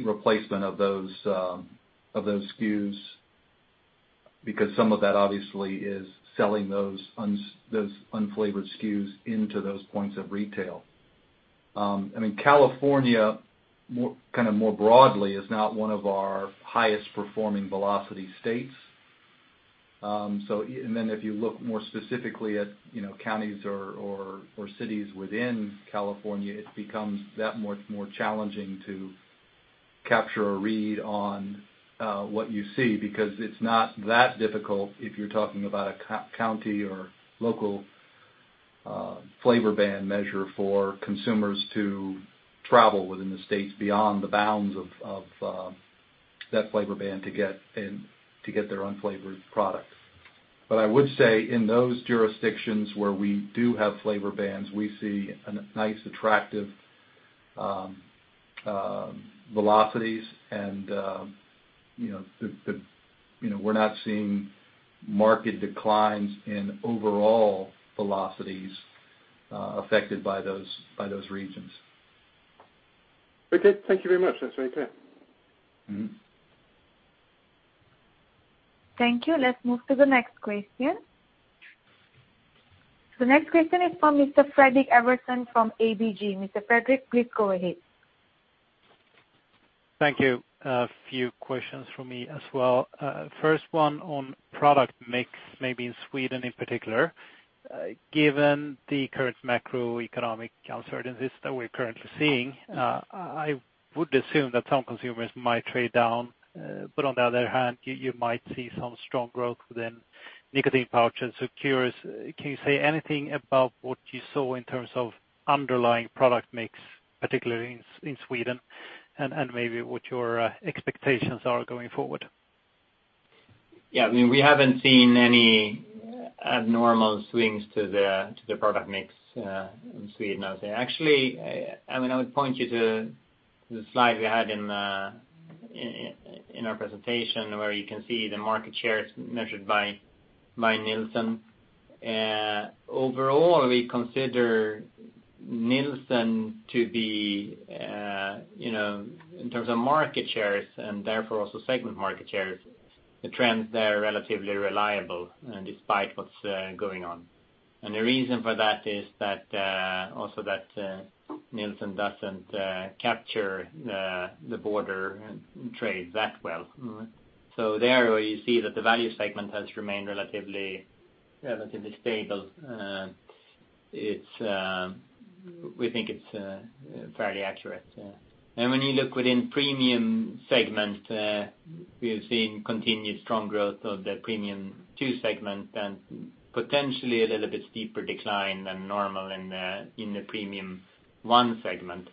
replacement of those SKUs, because some of that obviously is selling those unflavored SKUs into those points of retail. In California, more broadly, is not one of our highest performing velocity states. If you look more specifically at counties or cities within California, it becomes that much more challenging to capture a read on what you see, because it's not that difficult if you're talking about a county or local flavor ban measure for consumers to travel within the states, beyond the bounds of that flavor ban to get their unflavored products. I would say in those jurisdictions where we do have flavor bans, we see a nice attractive velocities and we're not seeing market declines in overall velocities affected by those regions. Okay. Thank you very much. That's very clear. Thank you. Let's move to the next question. The next question is from Mr. Fredrik Ivarsson from ABG. Mr. Fredrik, please go ahead. Thank you. A few questions from me as well. First one on product mix, maybe in Sweden in particular. Given the current macroeconomic uncertainties that we're currently seeing, I would assume that some consumers might trade down. On the other hand, you might see some strong growth within nicotine pouches. Curious, can you say anything about what you saw in terms of underlying product mix, particularly in Sweden, and maybe what your expectations are going forward? Yeah. I mean, we haven't seen any abnormal swings to the product mix in Sweden, I would say. Actually, I would point you to the slide we had in our presentation where you can see the market shares measured by Nielsen. Overall, we consider Nielsen to be, in terms of market shares and therefore also segment market shares, the trends there are relatively reliable despite what's going on. The reason for that is that also that Nielsen doesn't capture the border trade that well. There where you see that the value segment has remained relatively stable, we think it's fairly accurate. When you look within Premium segment, we are seeing continued strong growth of the Premium 2 segment and potentially a little bit steeper decline than normal in the Premium 1 segment.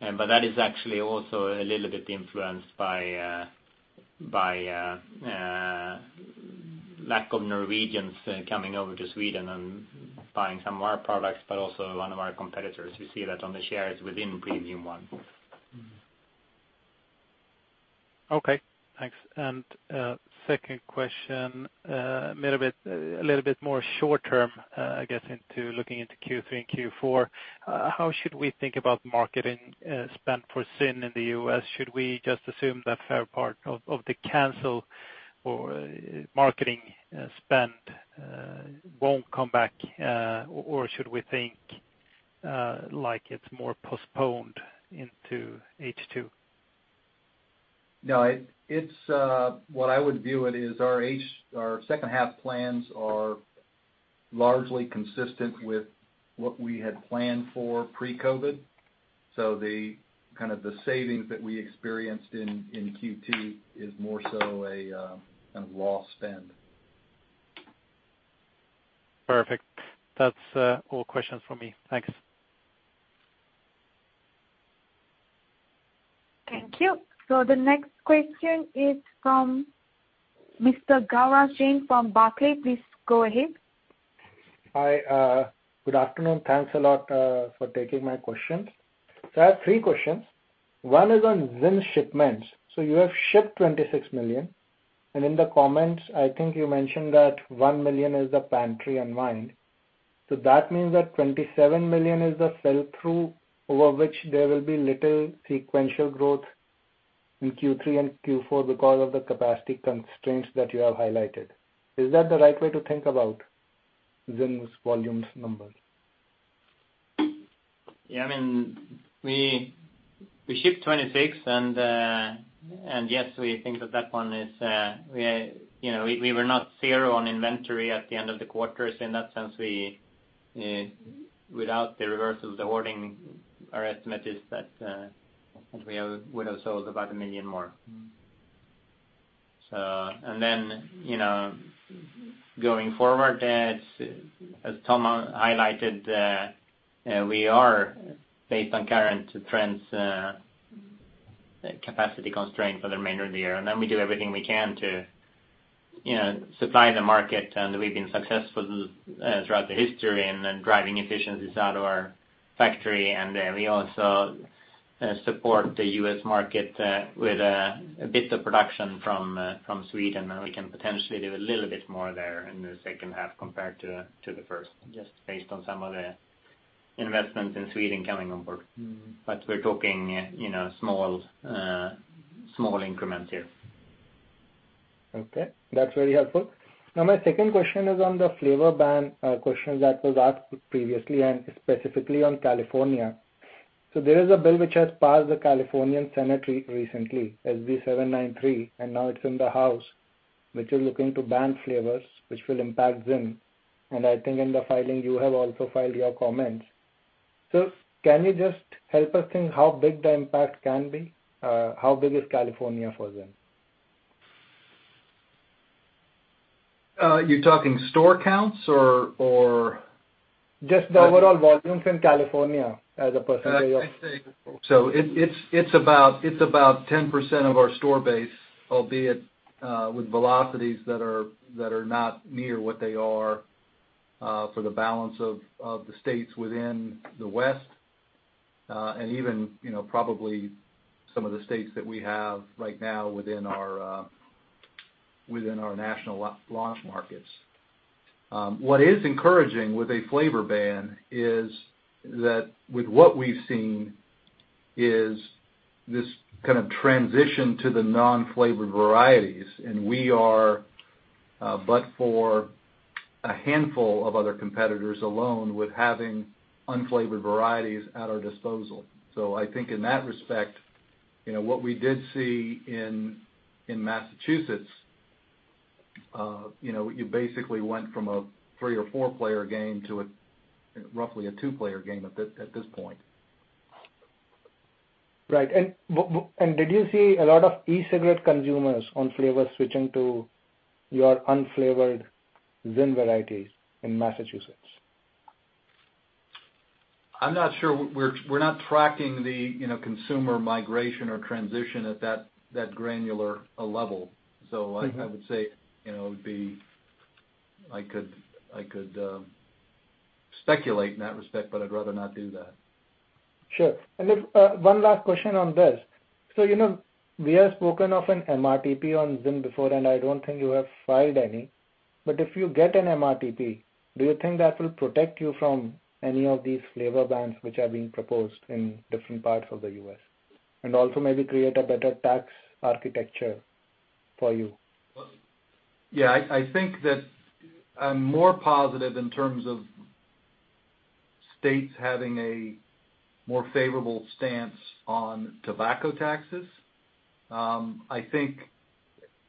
That is actually also a little bit influenced by lack of Norwegians coming over to Sweden and buying some of our products, but also one of our competitors. We see that on the shares within Premium 1. Okay, thanks. Second question, a little bit more short term, I guess, into looking into Q3 and Q4, how should we think about marketing spend for ZYN in the U.S.? Should we just assume that fair part of the canceled marketing spend won't come back, or should we think like it's more postponed into H2? No, what I would view it is our second half plans are largely consistent with what we had planned for pre-COVID. The savings that we experienced in Q2 is more so a loss spend. Perfect. That's all questions from me. Thanks. Thank you. The next question is from Mr. Gaurav Jain from Barclays. Please go ahead. Hi. Good afternoon. Thanks a lot for taking my questions. I have three questions. One is on ZYN shipments. You have shipped 26 million, and in the comments, I think you mentioned that 1 million is the pantry unwind. That means that 27 million is the sell-through, over which there will be little sequential growth in Q3 and Q4 because of the capacity constraints that you have highlighted. Is that the right way to think about ZYN volumes number? We shipped 26. We were not zero on inventory at the end of the quarter. In that sense, without the reversal of the hoarding, our estimate is that, we would have sold about 1 million more. Going forward, as Tom Hayes highlighted, we are based on current trends, capacity constrained for the remainder of the year. We do everything we can to supply the market, and we've been successful throughout the history and then driving efficiencies out of our factory. We also support the U.S. market with a bit of production from Sweden. We can potentially do a little bit more there in the second half compared to the first, just based on some of the investments in Sweden coming on board. We're talking small increments here. Okay. That's very helpful. Now my second question is on the flavor ban question that was asked previously and specifically on California. There is a bill which has passed the California Senate recently, SB 793, and now it's in the House, which is looking to ban flavors, which will impact ZYN. I think in the filing you have also filed your comments. Can you just help us in how big the impact can be? How big is California for ZYN? You're talking store counts or? Just the overall volumes in California as a percentage of. It's about 10% of our store base, albeit, with velocities that are not near what they are for the balance of the states within the West. Even probably some of the states that we have right now within our national launch markets. What is encouraging with a flavor ban is that with what we've seen is this kind of transition to the non-flavored varieties, and we are, but for a handful of other competitors alone, with having unflavored varieties at our disposal. I think in that respect, what we did see in Massachusetts, you basically went from a three or four-player game to roughly a two-player game at this point. Right. Did you see a lot of e-cigarette consumers on flavors switching to your unflavored ZYN varieties in Massachusetts? I'm not sure. We're not tracking the consumer migration or transition at that granular a level. I would say, I could speculate in that respect, but I'd rather not do that. Sure. One last question on this. We have spoken of an MRTP on ZYN before, and I don't think you have filed any. If you get an MRTP, do you think that will protect you from any of these flavor bans which are being proposed in different parts of the U.S. and also maybe create a better tax architecture for you? Yeah, I think that I'm more positive in terms of states having a more favorable stance on tobacco taxes. I think,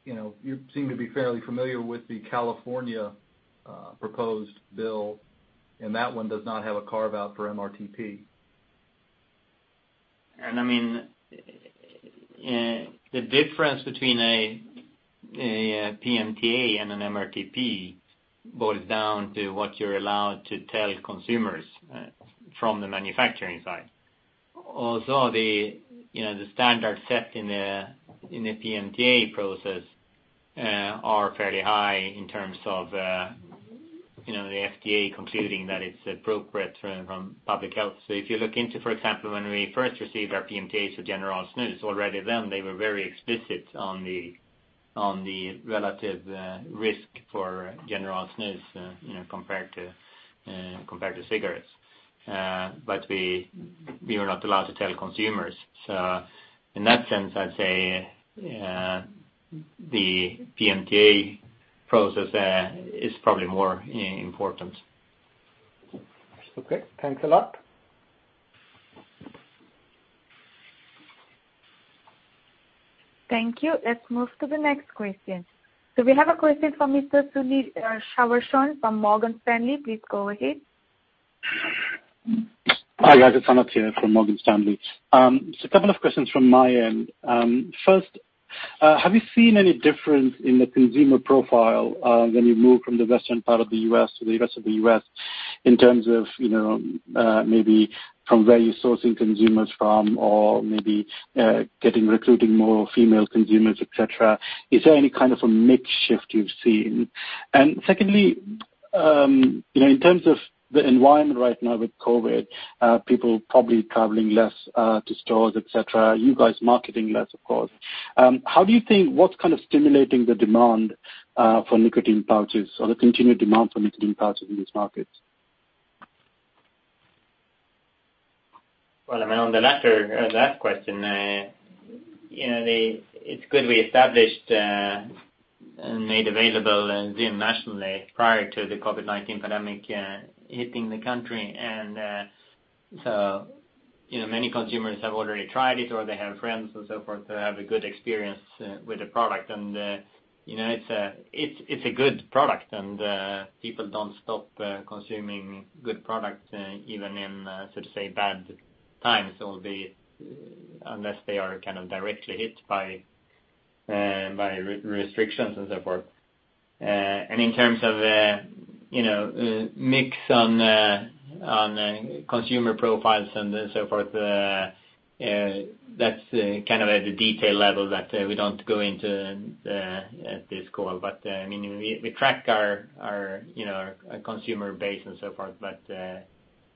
you seem to be fairly familiar with the California proposed bill, and that one does not have a carve-out for MRTP. The difference between a PMTA and an MRTP boils down to what you're allowed to tell consumers from the manufacturing side. Also, the standard set in the PMTA process are fairly high in terms of the FDA concluding that it's appropriate from public health. If you look into, for example, when we first received our PMTAs for General Snus, already then they were very explicit on the relative risk for General Snus compared to cigarettes. We are not allowed to tell consumers. In that sense, I'd say the PMTA process is probably more important. Okay, thanks a lot. Thank you. Let's move to the next question. We have a question from Mr. Unmesh Sharma from Morgan Stanley. Please go ahead. Hi, guys. It's Anup here from Morgan Stanley. A couple of questions from my end. First, have you seen any difference in the consumer profile, when you move from the western part of the U.S. to the rest of the U.S. in terms of maybe from where you're sourcing consumers from or maybe recruiting more female consumers, et cetera? Is there any kind of a mix shift you've seen? Secondly, in terms of the environment right now with COVID, people probably traveling less to stores, et cetera, you guys marketing less, of course. How do you think, what's kind of stimulating the demand for nicotine pouches or the continued demand for nicotine pouches in these markets? Well, on the latter or last question, it's good we established and made available ZYN nationally prior to the COVID-19 pandemic hitting the country. So many consumers have already tried it or they have friends and so forth that have a good experience with the product. It's a good product and people don't stop consuming good product even in, so to say, bad times, unless they are kind of directly hit by restrictions and so forth. In terms of mix on consumer profiles and so forth, that's kind of at the detail level that we don't go into at this call. We track our consumer base and so forth, but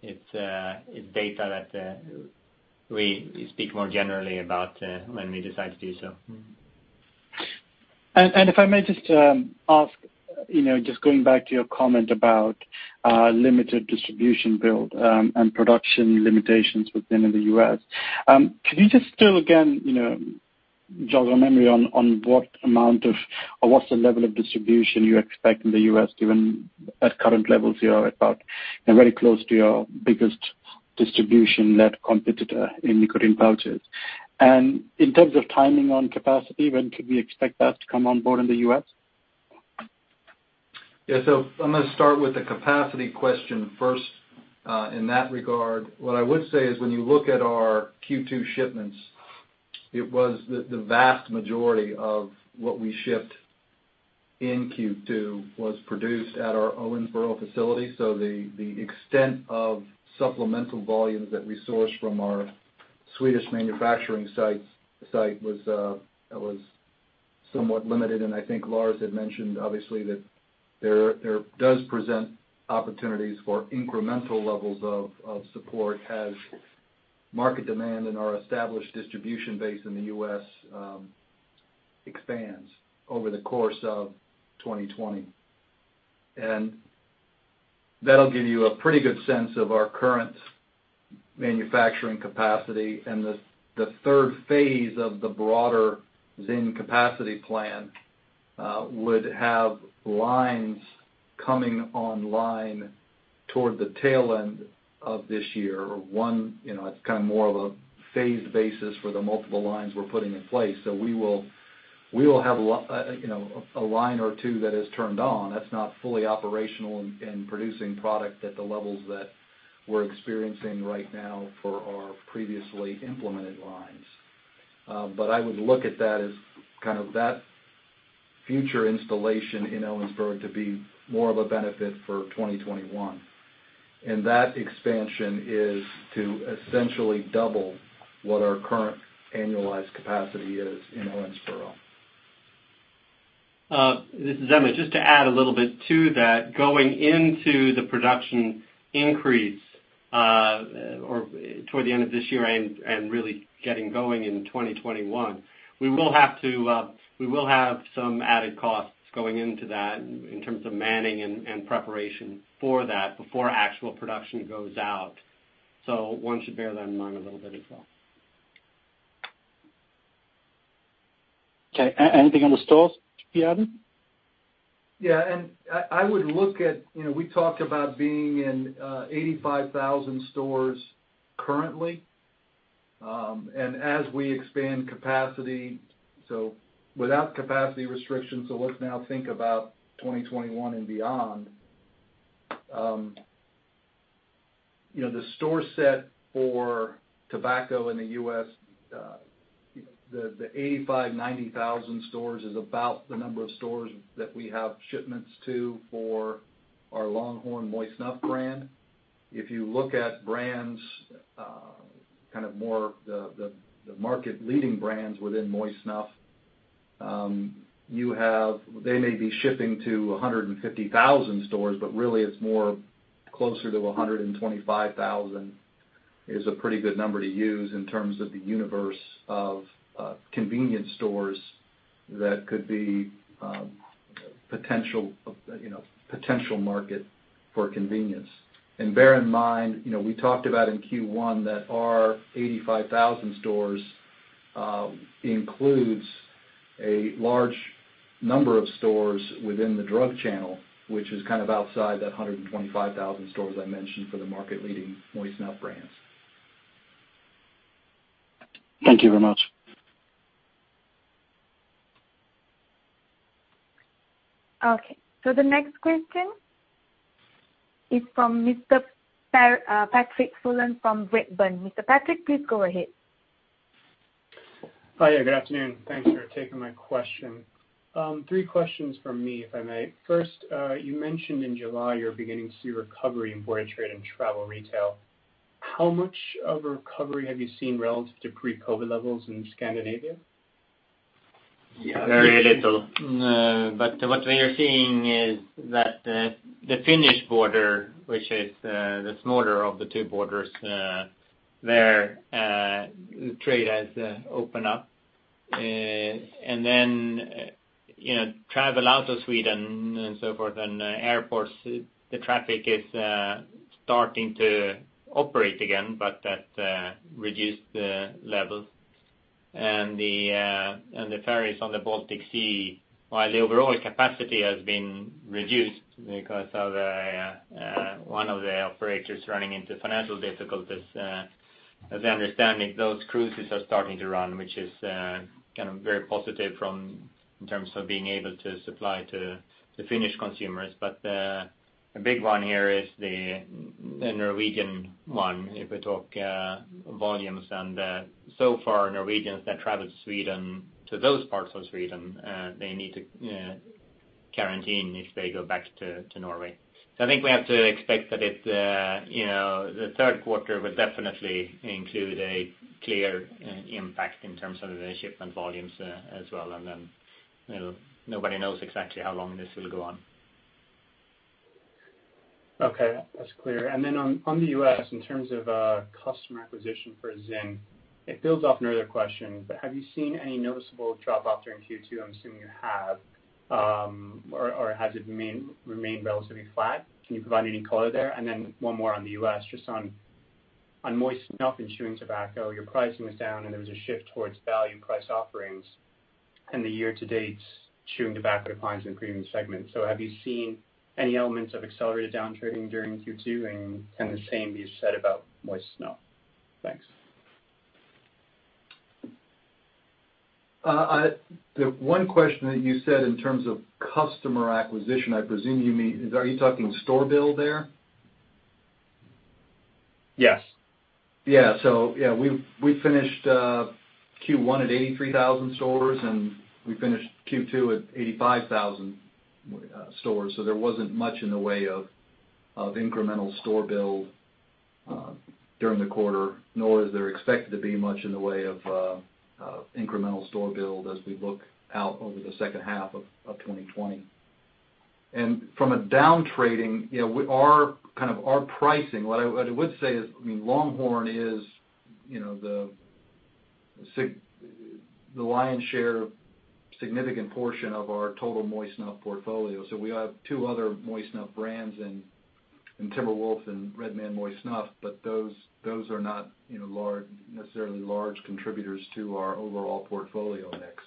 it's data that we speak more generally about when we decide to do so. If I may just ask, just going back to your comment about limited distribution build and production limitations within the U.S. Can you just still, again, jog our memory on what amount of, or what's the level of distribution you expect in the U.S., given at current levels you are at about very close to your biggest distribution net competitor in nicotine pouches? In terms of timing on capacity, when could we expect that to come on board in the U.S.? Yeah. I'm going to start with the capacity question first. In that regard, what I would say is when you look at our Q2 shipments, the vast majority of what we shipped in Q2 was produced at our Owensboro facility. The extent of supplemental volumes that we sourced from our Swedish manufacturing site was somewhat limited. I think Lars had mentioned obviously that there does present opportunities for incremental levels of support as market demand in our established distribution base in the U.S. expands over the course of 2020. That'll give you a pretty good sense of our current manufacturing capacity. The third phase of the broader ZYN capacity plan would have lines coming online toward the tail end of this year. It's more of a phased basis for the multiple lines we're putting in place. We will have a line or two that is turned on, that's now fully operational and producing product at the levels that we're experiencing right now for our previously implemented lines. I would look at that as kind of that future installation in Owensboro to be more of a benefit for 2021. That expansion is to essentially double what our current annualized capacity is in Owensboro. This is Emmett. Just to add a little bit to that. Going into the production increase, or toward the end of this year and really getting going in 2021, we will have some added costs going into that in terms of manning and preparation for that before actual production goes out. One should bear that in mind a little bit as well. Okay. Anything on the stores you have? Yeah. We talked about being in 85,000 stores currently. As we expand capacity, so without capacity restrictions, let's now think about 2021 and beyond. The store set for tobacco in the U.S., the 85,000, 90,000 stores is about the number of stores that we have shipments to for our Longhorn moist snuff brand. If you look at brands, kind of more the market leading brands within moist snuff, they may be shipping to 150,000 stores, but really it's more closer to 125,000 is a pretty good number to use in terms of the universe of convenience stores that could be potential market for convenience. Bear in mind, we talked about in Q1 that our 85,000 stores includes a large number of stores within the drug channel, which is kind of outside that 125,000 stores I mentioned for the market-leading moist snuff brands. Thank you very much. Okay, the next question is from Mr. Patrick Folan from Redburn. Mr. Patrick, please go ahead. Hi. Good afternoon. Thanks for taking my question. Three questions from me, if I may. First, you mentioned in July you're beginning to see recovery in border trade and travel retail. How much of a recovery have you seen relative to pre-COVID levels in Scandinavia? Very little. What we are seeing is that the Finnish border, which is the smaller of the two borders, there, trade has opened up. Then travel out of Sweden and so forth and airports, the traffic is starting to operate again, but at reduced levels. The ferries on the Baltic Sea, while the overall capacity has been reduced because of one of the operators running into financial difficulties, as I understand it, those cruises are starting to run, which is kind of very positive in terms of being able to supply to Finnish consumers. The big one here is the Norwegian one, if we talk volumes. So far, Norwegians that travel to Sweden, to those parts of Sweden, they need to quarantine if they go back to Norway. I think we have to expect that the third quarter will definitely include a clear impact in terms of the shipment volumes as well. Nobody knows exactly how long this will go on. Okay. That's clear. On the U.S., in terms of customer acquisition for ZYN, it builds off another question, but have you seen any noticeable drop-off during Q2? I'm assuming you have. Has it remained relatively flat? Can you provide any color there? One more on the U.S., just on moist snuff and chewing tobacco, your pricing was down, and there was a shift towards value price offerings in the year-to-date chewing tobacco declines in the premium segment. Have you seen any elements of accelerated downtrading during Q2? Kind of the same is said about moist snuff. Thanks. The one question that you said in terms of customer acquisition, are you talking store build there? Yes. We finished Q1 at 83,000 stores, and we finished Q2 at 85,000 stores. There wasn't much in the way of incremental store build during the quarter, nor is there expected to be much in the way of incremental store build as we look out over the second half of 2020. From a downtrading, our pricing, what I would say is Longhorn is the lion's share, a significant portion of our total moist snuff portfolio. We have two other moist snuff brands in Timber Wolf and Red Man Moist Snuff, but those are not necessarily large contributors to our overall portfolio mix.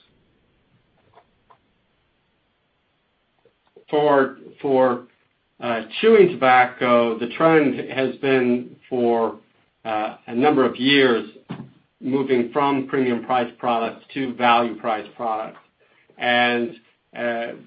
For chewing tobacco, the trend has been, for a number of years, moving from premium price products to value price products.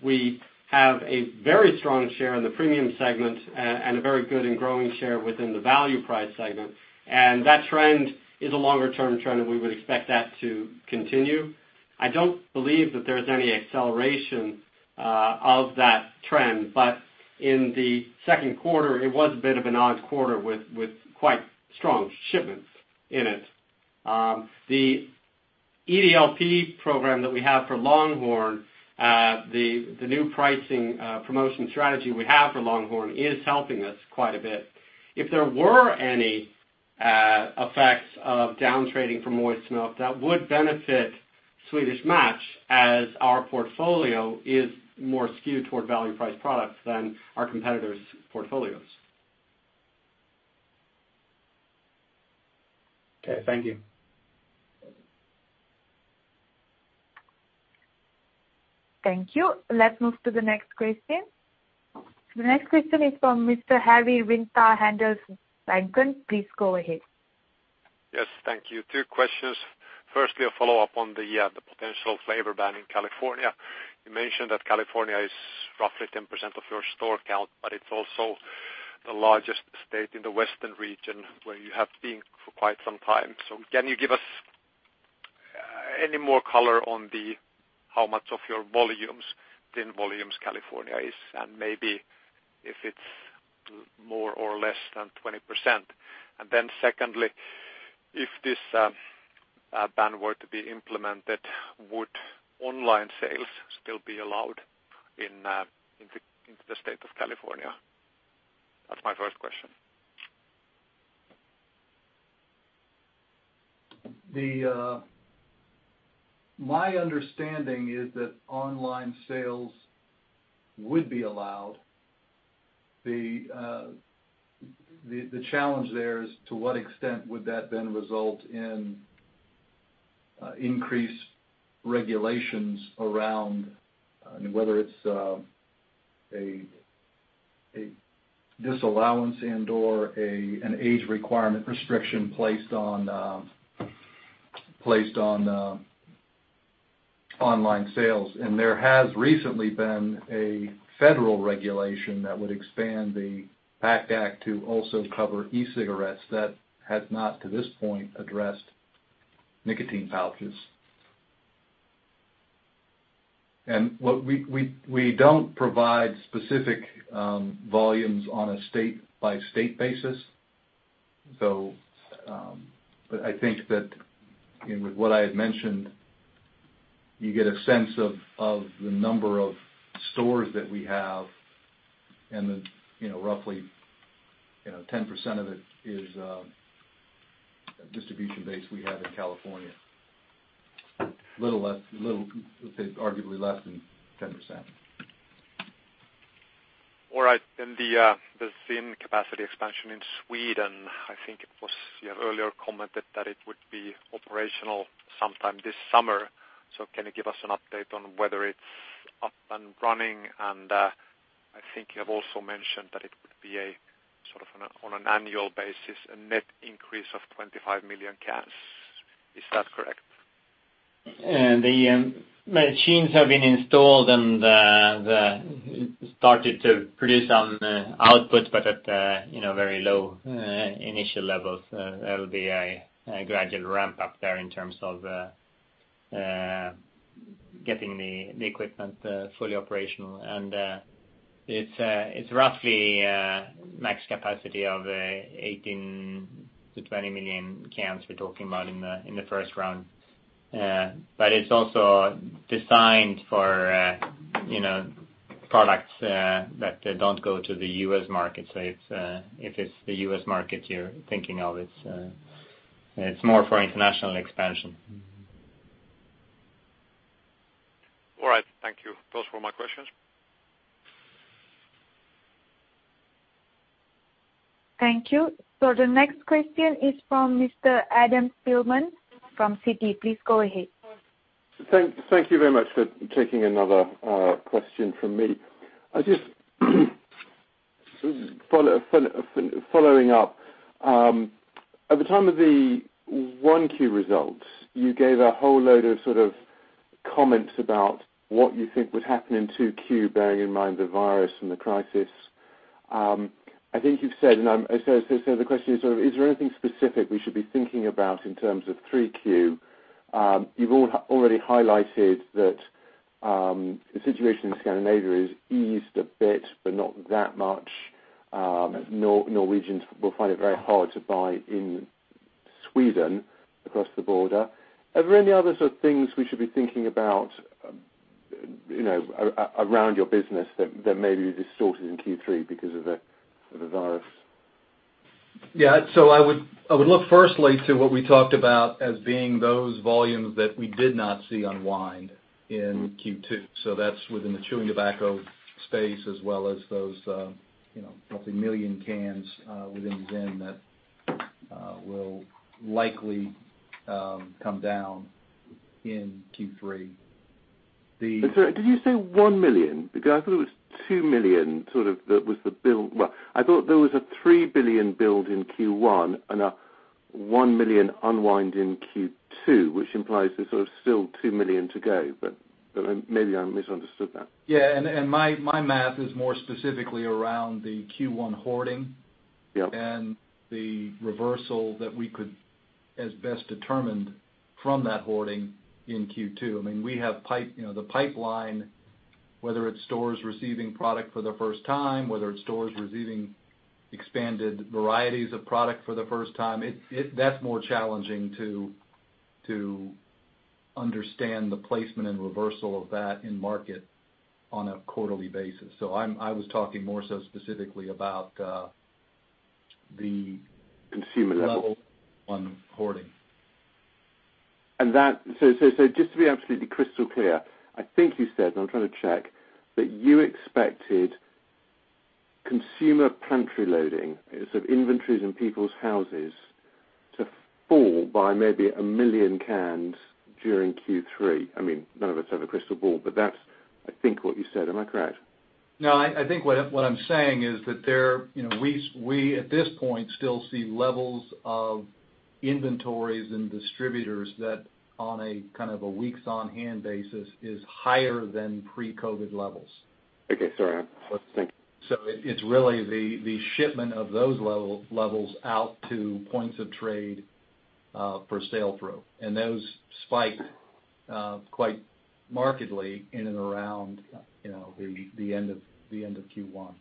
We have a very strong share in the premium segment and a very good and growing share within the value price segment. That trend is a longer-term trend, and we would expect that to continue. I don't believe that there's any acceleration of that trend, but in the second quarter, it was a bit of an odd quarter with quite strong shipments in it. The EDLP program that we have for Longhorn, the new pricing promotion strategy we have for Longhorn is helping us quite a bit. If there were any effects of downtrading for moist snuff, that would benefit Swedish Match, as our portfolio is more skewed toward value price products than our competitors' portfolios. Okay. Thank you. Thank you. Let's move to the next question. The next question is from Mr. Harri Rinta-Harju, Handelsbanken. Please go ahead. Thank you. Two questions. Firstly, a follow-up on the potential flavor ban in California. You mentioned that California is roughly 10% of your store count, but it's also the largest state in the western region, where you have been for quite some time. Can you give us any more color on how much of your ZYN volumes California is, and maybe if it's more or less than 20%? Secondly, if this ban were to be implemented, would online sales still be allowed in the state of California? That's my first question. My understanding is that online sales would be allowed. The challenge there is to what extent would that then result in increased regulations around, whether it's a disallowance and/or an age requirement restriction placed on online sales. There has recently been a federal regulation that would expand the PACT Act to also cover e-cigarettes that has not, to this point, addressed nicotine pouches. We don't provide specific volumes on a state-by-state basis. I think that with what I had mentioned, you get a sense of the number of stores that we have and roughly 10% of it is distribution base we have in California. Arguably less than 10%. All right. The ZYN capacity expansion in Sweden, I think it was, you have earlier commented that it would be operational sometime this summer. Can you give us an update on whether it's up and running? I think you have also mentioned that it would be a sort of on an annual basis, a net increase of 25 million cans. Is that correct? The machines have been installed and started to produce on output, but at very low initial levels. There'll be a gradual ramp up there in terms of getting the equipment fully operational. It's roughly a max capacity of 18 million-20 million cans we're talking about in the first round. It's also designed for products that don't go to the U.S. market. If it's the U.S. market you're thinking of, it's more for international expansion. All right. Thank you. Those were my questions. Thank you. The next question is from Mr. Adam Spielman from Citi. Please go ahead. Thank you very much for taking another question from me. I just, following up. At the time of the 1Q results, you gave a whole load of sort of comments about what you think would happen in 2Q, bearing in mind the virus and the crisis. I think you've said, and so the question is: Is there anything specific we should be thinking about in terms of 3Q? You've already highlighted that the situation in Scandinavia is eased a bit, but not that much. Norwegians will find it very hard to buy in Sweden across the border. Are there any other sort of things we should be thinking about around your business that may be distorted in Q3 because of the virus? Yeah. I would look firstly to what we talked about as being those volumes that we did not see unwind in Q2. That's within the chewing tobacco space, as well as those roughly 1 million cans within ZYN that will likely come down in Q3. I'm sorry, did you say 1 million? Because I thought it was 2 million, sort of that was the build. Well, I thought there was a 3 billion build in Q1 and a 1 million unwind in Q2, which implies there's sort of still 2 million to go, but maybe I misunderstood that. Yeah, my math is more specifically around the Q1 hoarding- Yep The reversal that we could, as best determined from that hoarding in Q2. The pipeline, whether it's stores receiving product for the first time, whether it's stores receiving expanded varieties of product for the first time, that's more challenging to understand the placement and reversal of that in market on a quarterly basis. I was talking more so specifically. Consumer level. level on hoarding. Just to be absolutely crystal clear, I think you said, and I'm trying to check, that you expected consumer pantry loading, sort of inventories in people's houses, to fall by maybe 1 million cans during Q3. None of us have a crystal ball, but that's, I think, what you said. Am I correct? No, I think what I'm saying is that we, at this point, still see levels of inventories and distributors that on a kind of a weeks on hand basis is higher than pre-COVID levels. Okay. Sorry, I wasn't thinking. It's really the shipment of those levels out to points of trade for sale through. Those spiked quite markedly in and around the end of Q1.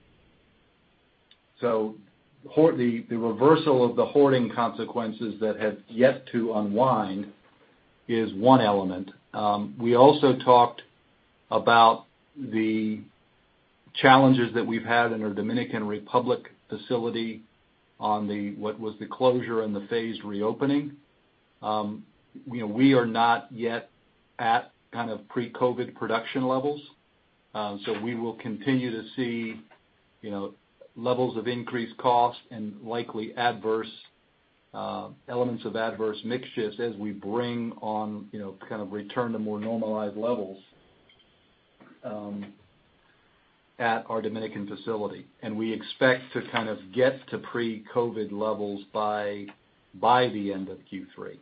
The reversal of the hoarding consequences that have yet to unwind is one element. We also talked about the challenges that we've had in our Dominican Republic facility on what was the closure and the phased reopening. We are not yet at pre-COVID production levels. We will continue to see levels of increased cost and likely elements of adverse mix shifts as we bring on, return to more normalized levels at our Dominican facility. We expect to get to pre-COVID levels by the end of Q3.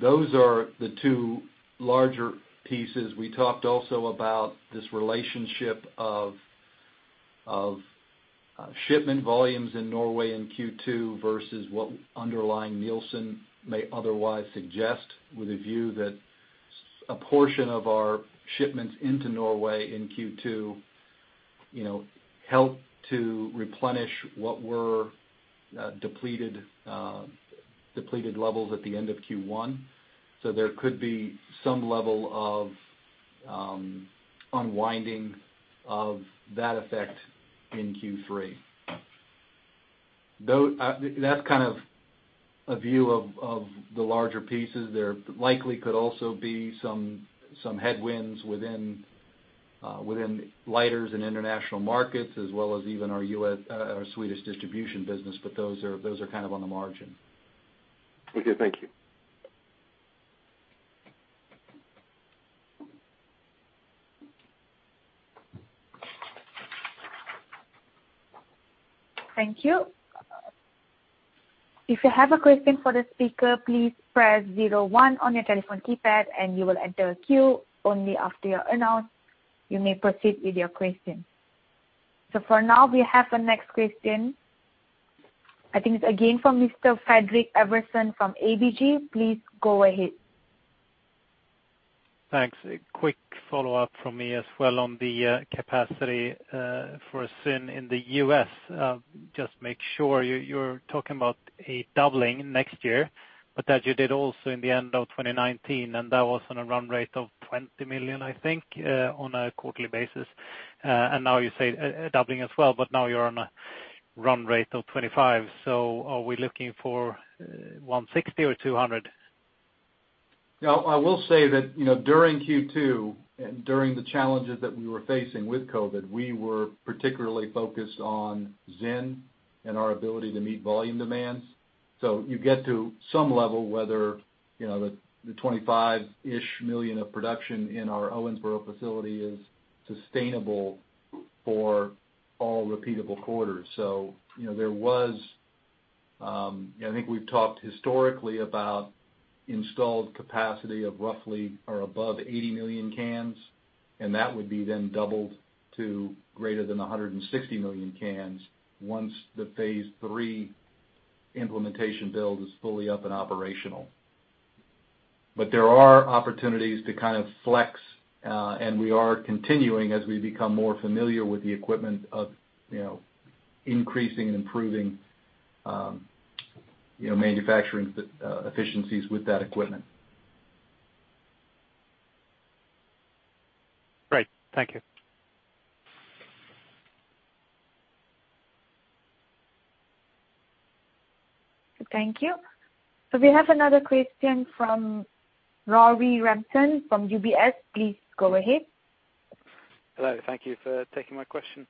Those are the two larger pieces. We talked also about this relationship of shipment volumes in Norway in Q2 versus what underlying Nielsen may otherwise suggest, with a view that a portion of our shipments into Norway in Q2 helped to replenish what were depleted levels at the end of Q1. There could be some level of unwinding of that effect in Q3. That's kind of a view of the larger pieces. There likely could also be some headwinds within lighters in international markets as well as even our Swedish distribution business, but those are kind of on the margin. Okay. Thank you. Thank you. If you have a question for the speaker, please press 01 on your telephone keypad and you will enter a queue. Only after you are announced you may proceed with your question. For now, we have the next question. I think it is again from Mr. Fredrik Ivarsson from ABG. Please go ahead. Thanks. A quick follow-up from me as well on the capacity for ZYN in the U.S. Just make sure, you're talking about a doubling next year, but that you did also in the end of 2019, that was on a run rate of 20 million, I think, on a quarterly basis. Now you say a doubling as well, but now you're on a run rate of 25. Are we looking for 160 or 200? I will say that, during Q2 and during the challenges that we were facing with COVID-19, we were particularly focused on ZYN and our ability to meet volume demands. You get to some level whether the 25-ish million of production in our Owensboro facility is sustainable for all repeatable quarters. I think we've talked historically about installed capacity of roughly or above 80 million cans, and that would be then doubled to greater than 160 million cans once the phase 3 implementation build is fully up and operational. There are opportunities to kind of flex, and we are continuing as we become more familiar with the equipment of increasing and improving manufacturing efficiencies with that equipment. Great. Thank you. Thank you. We have another question from Rory Ramsden from UBS. Please go ahead. Hello. Thank you for taking my question.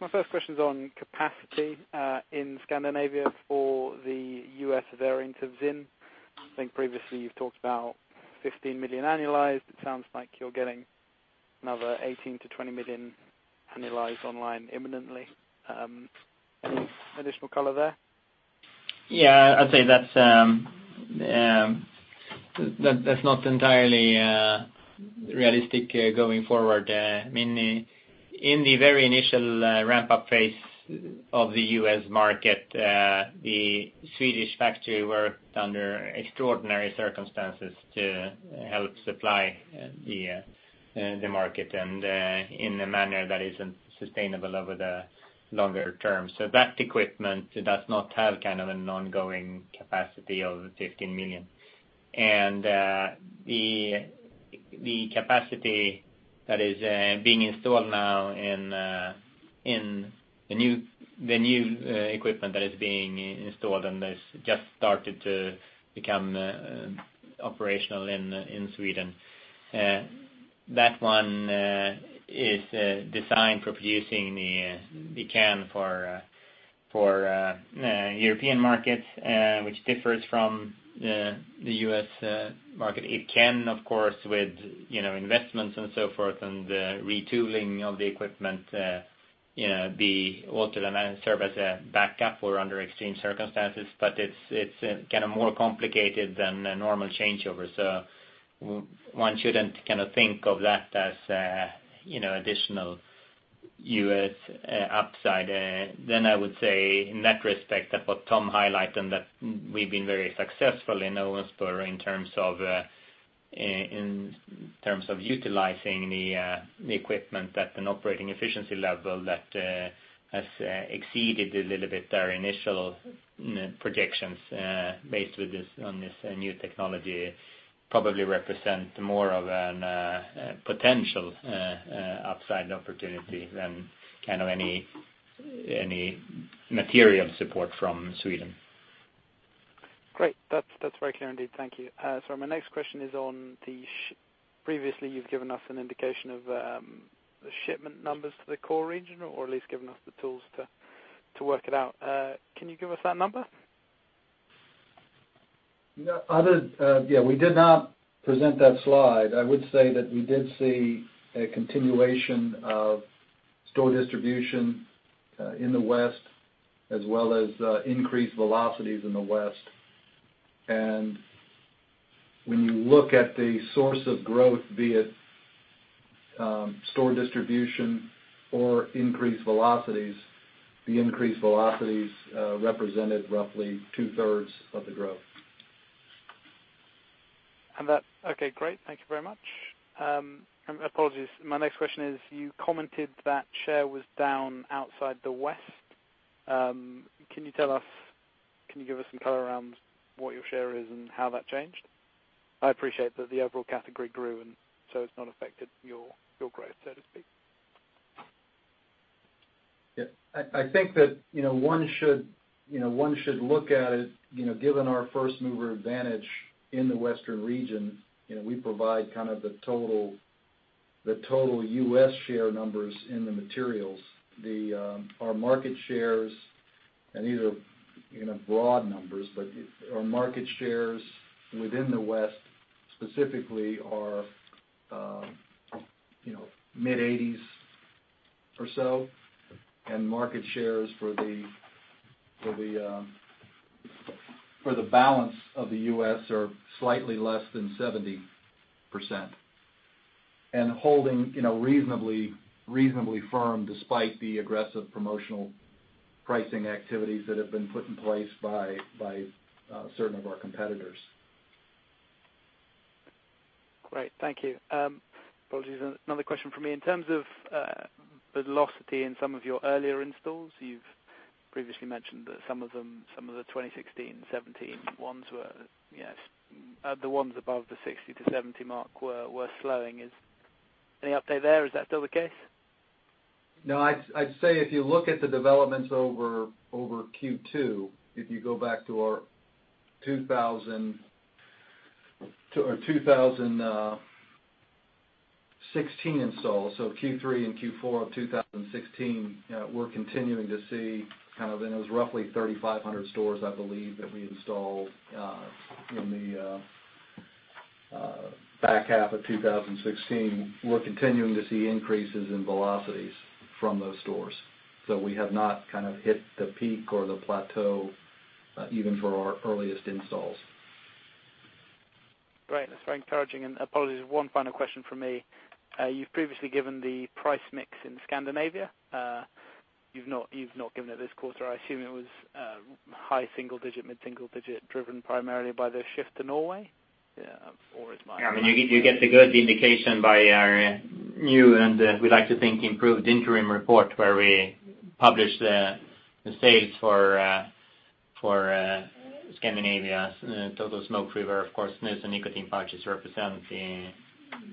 My first question's on capacity in Scandinavia for the U.S. variant of ZYN. I think previously you've talked about 15 million annualized. It sounds like you're getting another 18 million-20 million annualized online imminently. Any additional color there? Yeah, I'd say that's not entirely realistic going forward. In the very initial ramp-up phase of the U.S. market, the Swedish factory worked under extraordinary circumstances to help supply the market and in a manner that isn't sustainable over the longer term. That equipment does not have kind of an ongoing capacity of 15 million. The capacity that is being installed now in the new equipment that is being installed and has just started to become operational in Sweden, that one is designed for producing the can for European markets, which differs from the U.S. market. It can, of course, with investments and so forth and retooling of the equipment, be altered and serve as a backup for under extreme circumstances. It's more complicated than a normal changeover. One shouldn't think of that as additional U.S. upside. I would say in that respect that what Tom highlighted, that we've been very successful in Owensboro in terms of utilizing the equipment at an operating efficiency level that has exceeded a little bit our initial projections based on this new technology. Probably represent more of a potential upside opportunity than any material support from Sweden. Great. That's very clear indeed. Thank you. My next question is previously, you've given us an indication of the shipment numbers to the core region, or at least given us the tools to work it out. Can you give us that number? Yeah, we did not present that slide. I would say that we did see a continuation of store distribution in the West, as well as increased velocities in the West. When you look at the source of growth, be it store distribution or increased velocities, the increased velocities represented roughly two-thirds of the growth. Okay, great. Thank you very much. Apologies. My next question is, you commented that share was down outside the West. Can you give us some color around what your share is and how that changed? I appreciate that the overall category grew, and so it is not affected your growth, so to speak. Yeah. I think that one should look at it, given our first-mover advantage in the Western region, we provide the total U.S. share numbers in the materials. Our market shares, and these are broad numbers, but our market shares within the West specifically are mid-80s or so, and market shares for the balance of the U.S. are slightly less than 70%. Holding reasonably firm despite the aggressive promotional pricing activities that have been put in place by certain of our competitors. Great. Thank you. Apologies. Another question from me. In terms of the velocity in some of your earlier installs, you've previously mentioned that some of the 2016 and 2017 ones, the ones above the 60-70 mark were slowing. Any update there? Is that still the case? No, I'd say if you look at the developments over Q2, if you go back to our 2016 install, so Q3 and Q4 of 2016, we're continuing to see, and it was roughly 3,500 stores, I believe, that we installed in the back half of 2016. We're continuing to see increases in velocities from those stores. We have not hit the peak or the plateau, even for our earliest installs. Great. That's very encouraging. Apologies, one final question from me. You've previously given the price mix in Scandinavia. You've not given it this quarter. I assume it was high single digit, mid-single digit, driven primarily by the shift to Norway? Yeah, you get a good indication by our new, and we like to think, improved interim report, where we publish the sales for Scandinavia. Total smoke-free, where, of course, snus and nicotine pouches represent the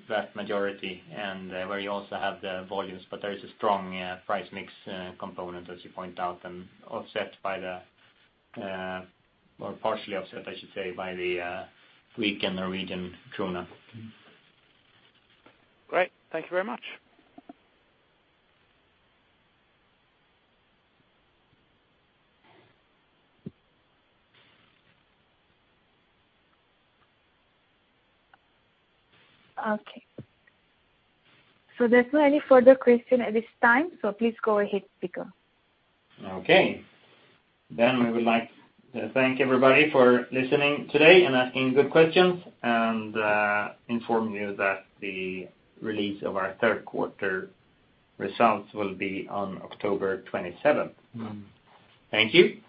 vast majority, and where you also have the volumes. There is a strong price mix component, as you point out, and offset by the, or partially offset, I should say, by the weakened NOK. Great. Thank you very much. Okay. There's no any further question at this time, so please go ahead, speaker. Okay. We would like to thank everybody for listening today and asking good questions, and inform you that the release of our third quarter results will be on October 27th. Thank you.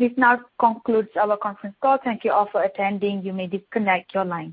This now concludes our conference call. Thank you all for attending. You may disconnect your lines.